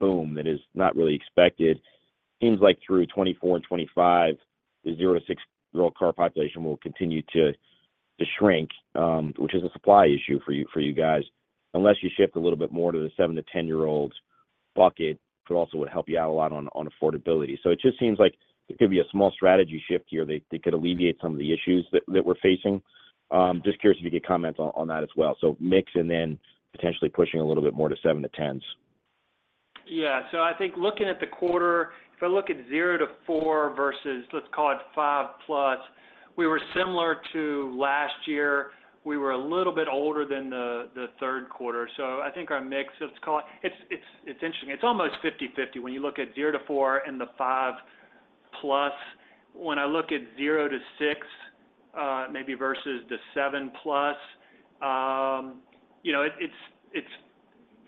boom that is not really expected, it seems like through 2024 and 2025, the zero to six-year-old car population will continue to shrink, which is a supply issue for you guys unless you shift a little bit more to the seven to 10-year-old bucket, but also would help you out a lot on affordability. So it just seems like there could be a small strategy shift here that could alleviate some of the issues that we're facing. Just curious if you could comment on that as well. mix and then potentially pushing a little bit more to 7-10s. Yeah. So I think looking at the quarter, if I look at 0-4 versus, let's call it, 5+, we were similar to last year. We were a little bit older than the third quarter. So I think our mix, let's call it it's interesting. It's almost 50/50 when you look at 0-4 and the 5+. When I look at 0-6 maybe versus the 7+,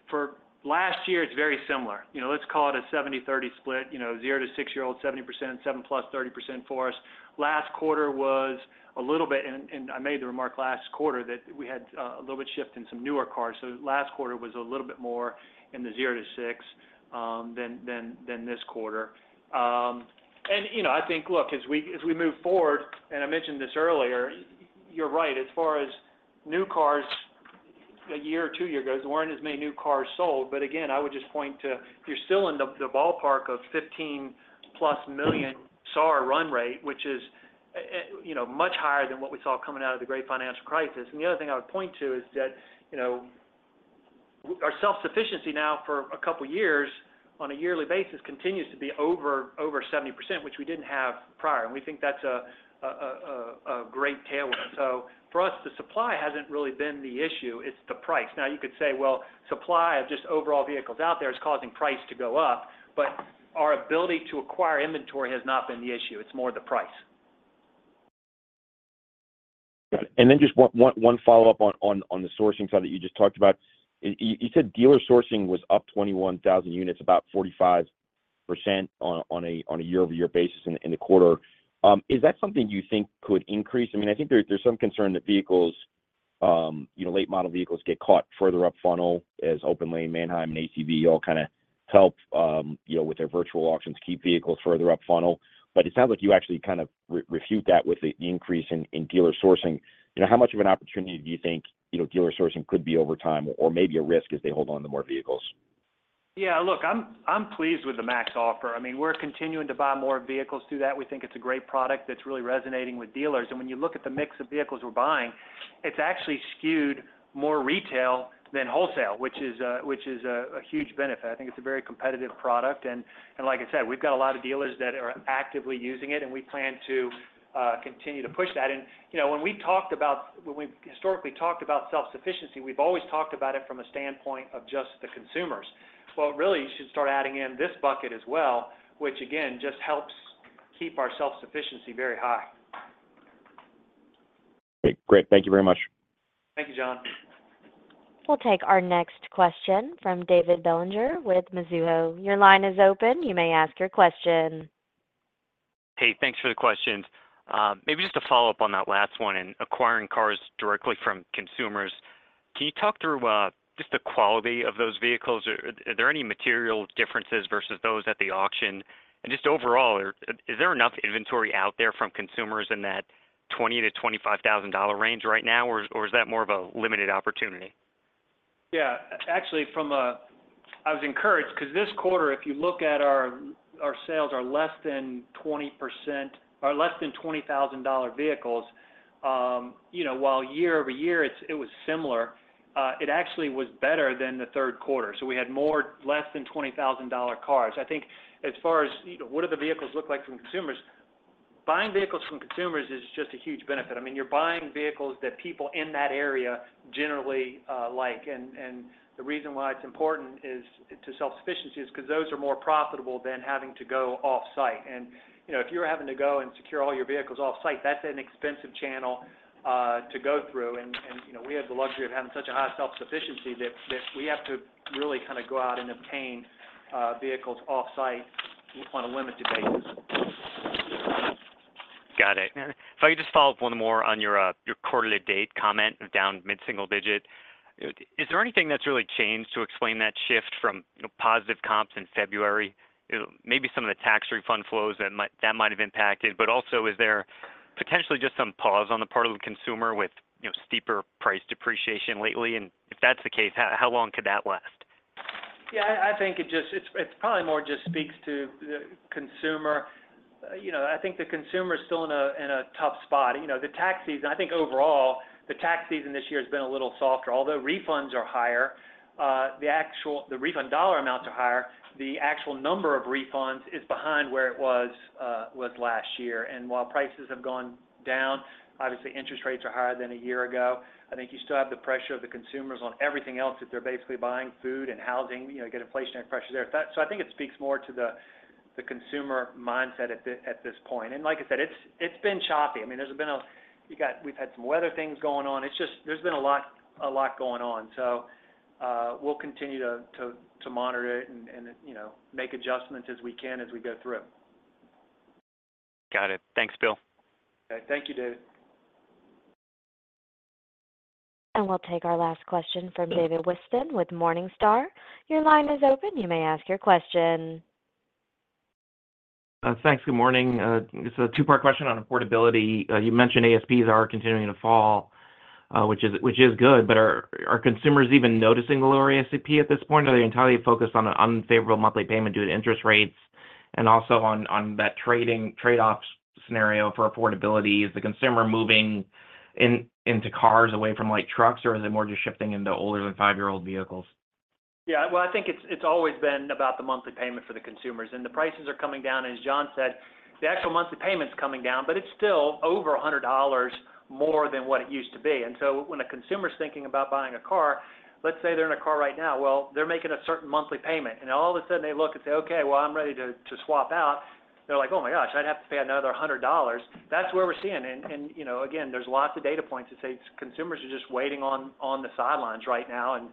for last year, it's very similar. Let's call it a 70/30 split. 0-6-year-old, 70%, 7+, 30% for us. Last quarter was a little bit and I made the remark last quarter that we had a little bit shift in some newer cars. So last quarter was a little bit more in the 0-6 than this quarter. And I think, look, as we move forward and I mentioned this earlier, you're right. As far as new cars, a year or two years ago, there weren't as many new cars sold. But again, I would just point to you're still in the ballpark of 15+ million SAAR run rate, which is much higher than what we saw coming out of the Great Financial Crisis. And the other thing I would point to is that our self-sufficiency now for a couple of years on a yearly basis continues to be over 70%, which we didn't have prior. And we think that's a great tailwind. So for us, the supply hasn't really been the issue. It's the price. Now, you could say, "Well, supply of just overall vehicles out there is causing price to go up." But our ability to acquire inventory has not been the issue. It's more the price. Got it. And then just one follow-up on the sourcing side that you just talked about. You said dealer sourcing was up 21,000 units, about 45% on a year-over-year basis in the quarter. Is that something you think could increase? I mean, I think there's some concern that vehicles, late-model vehicles, get caught further up funnel as OPENLANE, Manheim, and ACV all kind of help with their virtual auctions, keep vehicles further up funnel. But it sounds like you actually kind of refute that with the increase in dealer sourcing. How much of an opportunity do you think dealer sourcing could be over time or maybe a risk as they hold on to more vehicles? Yeah. Look, I'm pleased with the MaxOffer. I mean, we're continuing to buy more vehicles through that. We think it's a great product that's really resonating with dealers. And when you look at the mix of vehicles we're buying, it's actually skewed more retail than wholesale, which is a huge benefit. I think it's a very competitive product. And like I said, we've got a lot of dealers that are actively using it, and we plan to continue to push that. And when we've historically talked about self-sufficiency, we've always talked about it from a standpoint of just the consumers. Well, really, you should start adding in this bucket as well, which again just helps keep our self-sufficiency very high. Great. Great. Thank you very much. Thank you, John. We'll take our next question from David Bellinger with Mizuho. Your line is open. You may ask your question. Hey. Thanks for the questions. Maybe just a follow-up on that last one. In acquiring cars directly from consumers, can you talk through just the quality of those vehicles? Are there any material differences versus those at the auction? And just overall, is there enough inventory out there from consumers in that $20,000-$25,000 range right now, or is that more of a limited opportunity? Yeah. Actually, I was encouraged because this quarter, if you look at our sales, are less than 20% or less than $20,000 vehicles. While year-over-year, it was similar, it actually was better than the third quarter. So we had less than $20,000 cars. I think as far as what do the vehicles look like from consumers, buying vehicles from consumers is just a huge benefit. I mean, you're buying vehicles that people in that area generally like. And the reason why it's important to self-sufficiency is because those are more profitable than having to go off-site. And if you're having to go and secure all your vehicles off-site, that's an expensive channel to go through. And we have the luxury of having such a high self-sufficiency that we have to really kind of go out and obtain vehicles off-site on a limited basis. Got it. If I could just follow up one more on your quarterly date comment down mid-single digit, is there anything that's really changed to explain that shift from positive comps in February? Maybe some of the tax refund flows that might have impacted. But also, is there potentially just some pause on the part of the consumer with steeper price depreciation lately? And if that's the case, how long could that last? Yeah. I think it probably more just speaks to the consumer. I think the consumer is still in a tough spot. The tax season, I think overall, the tax season this year has been a little softer. Although refunds are higher, the refund dollar amounts are higher, the actual number of refunds is behind where it was last year. And while prices have gone down, obviously, interest rates are higher than a year ago, I think you still have the pressure of the consumers on everything else. If they're basically buying food and housing, you get inflationary pressures there. So I think it speaks more to the consumer mindset at this point. And like I said, it's been choppy. I mean, we've had some weather things going on. There's been a lot going on. We'll continue to monitor it and make adjustments as we can as we go through. Got it. Thanks, Bill. All right. Thank you, David. We'll take our last question from David Whiston with Morningstar. Your line is open. You may ask your question. Thanks. Good morning. It's a two-part question on affordability. You mentioned ASPs are continuing to fall, which is good. But are consumers even noticing the lower ASP at this point? Are they entirely focused on an unfavorable monthly payment due to interest rates and also on that trade-off scenario for affordability? Is the consumer moving into cars away from trucks, or is it more just shifting into older than five-year-old vehicles? Yeah. Well, I think it's always been about the monthly payment for the consumers. The prices are coming down. And as John said, the actual monthly payment's coming down, but it's still over $100 more than what it used to be. So when a consumer's thinking about buying a car, let's say they're in a car right now, well, they're making a certain monthly payment. And all of a sudden, they look and say, "Okay. Well, I'm ready to swap out." They're like, "Oh my gosh. I'd have to pay another $100." That's where we're seeing. And again, there's lots of data points that say consumers are just waiting on the sidelines right now and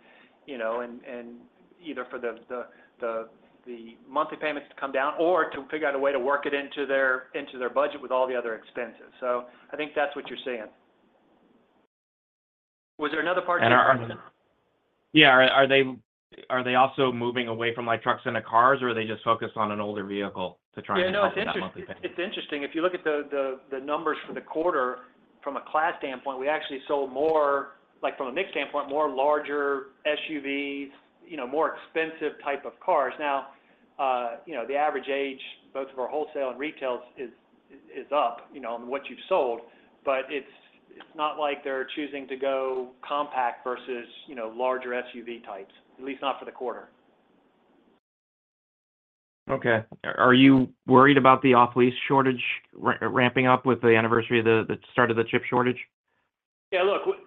either for the monthly payments to come down or to figure out a way to work it into their budget with all the other expenses. So I think that's what you're seeing. Was there another part you mentioned? Yeah. Are they also moving away from trucks into cars, or are they just focused on an older vehicle to try and impact that monthly payment? Yeah. No, it's interesting. If you look at the numbers for the quarter, from a class standpoint, we actually sold more from a mixed standpoint, more larger SUVs, more expensive type of cars. Now, the average age, both of our wholesale and retails, is up on what you've sold. But it's not like they're choosing to go compact versus larger SUV types, at least not for the quarter. Okay. Are you worried about the off-lease shortage ramping up with the anniversary of the start of the chip shortage? Yeah. Look,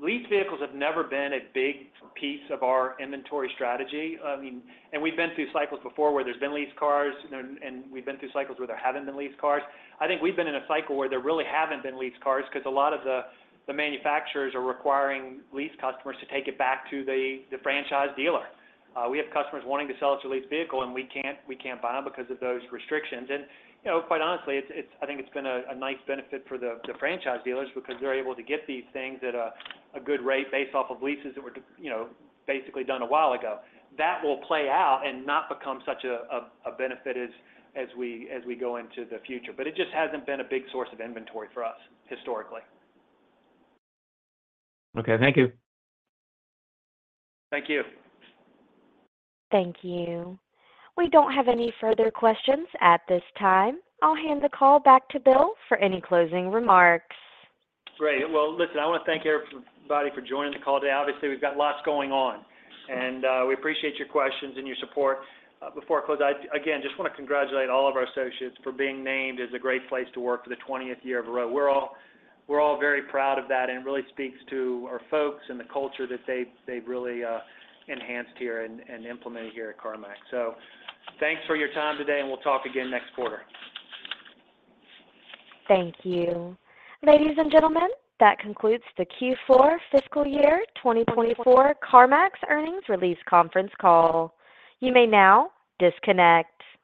leased vehicles have never been a big piece of our inventory strategy. I mean, and we've been through cycles before where there's been leased cars, and we've been through cycles where there haven't been leased cars. I think we've been in a cycle where there really haven't been leased cars because a lot of the manufacturers are requiring leased customers to take it back to the franchise dealer. We have customers wanting to sell us a leased vehicle, and we can't buy them because of those restrictions. And quite honestly, I think it's been a nice benefit for the franchise dealers because they're able to get these things at a good rate based off of leases that were basically done a while ago. That will play out and not become such a benefit as we go into the future. But it just hasn't been a big source of inventory for us historically. Okay. Thank you. Thank you. Thank you. We don't have any further questions at this time. I'll hand the call back to Bill for any closing remarks. Great. Well, listen, I want to thank everybody for joining the call today. Obviously, we've got lots going on. We appreciate your questions and your support. Before I close, I again just want to congratulate all of our associates for being named as a Great Place to Work for the 20th year in a row. We're all very proud of that, and it really speaks to our folks and the culture that they've really enhanced here and implemented here at CarMax. So thanks for your time today, and we'll talk again next quarter. Thank you. Ladies and gentlemen, that concludes the Q4 fiscal year 2024 CarMax earnings release conference call. You may now disconnect.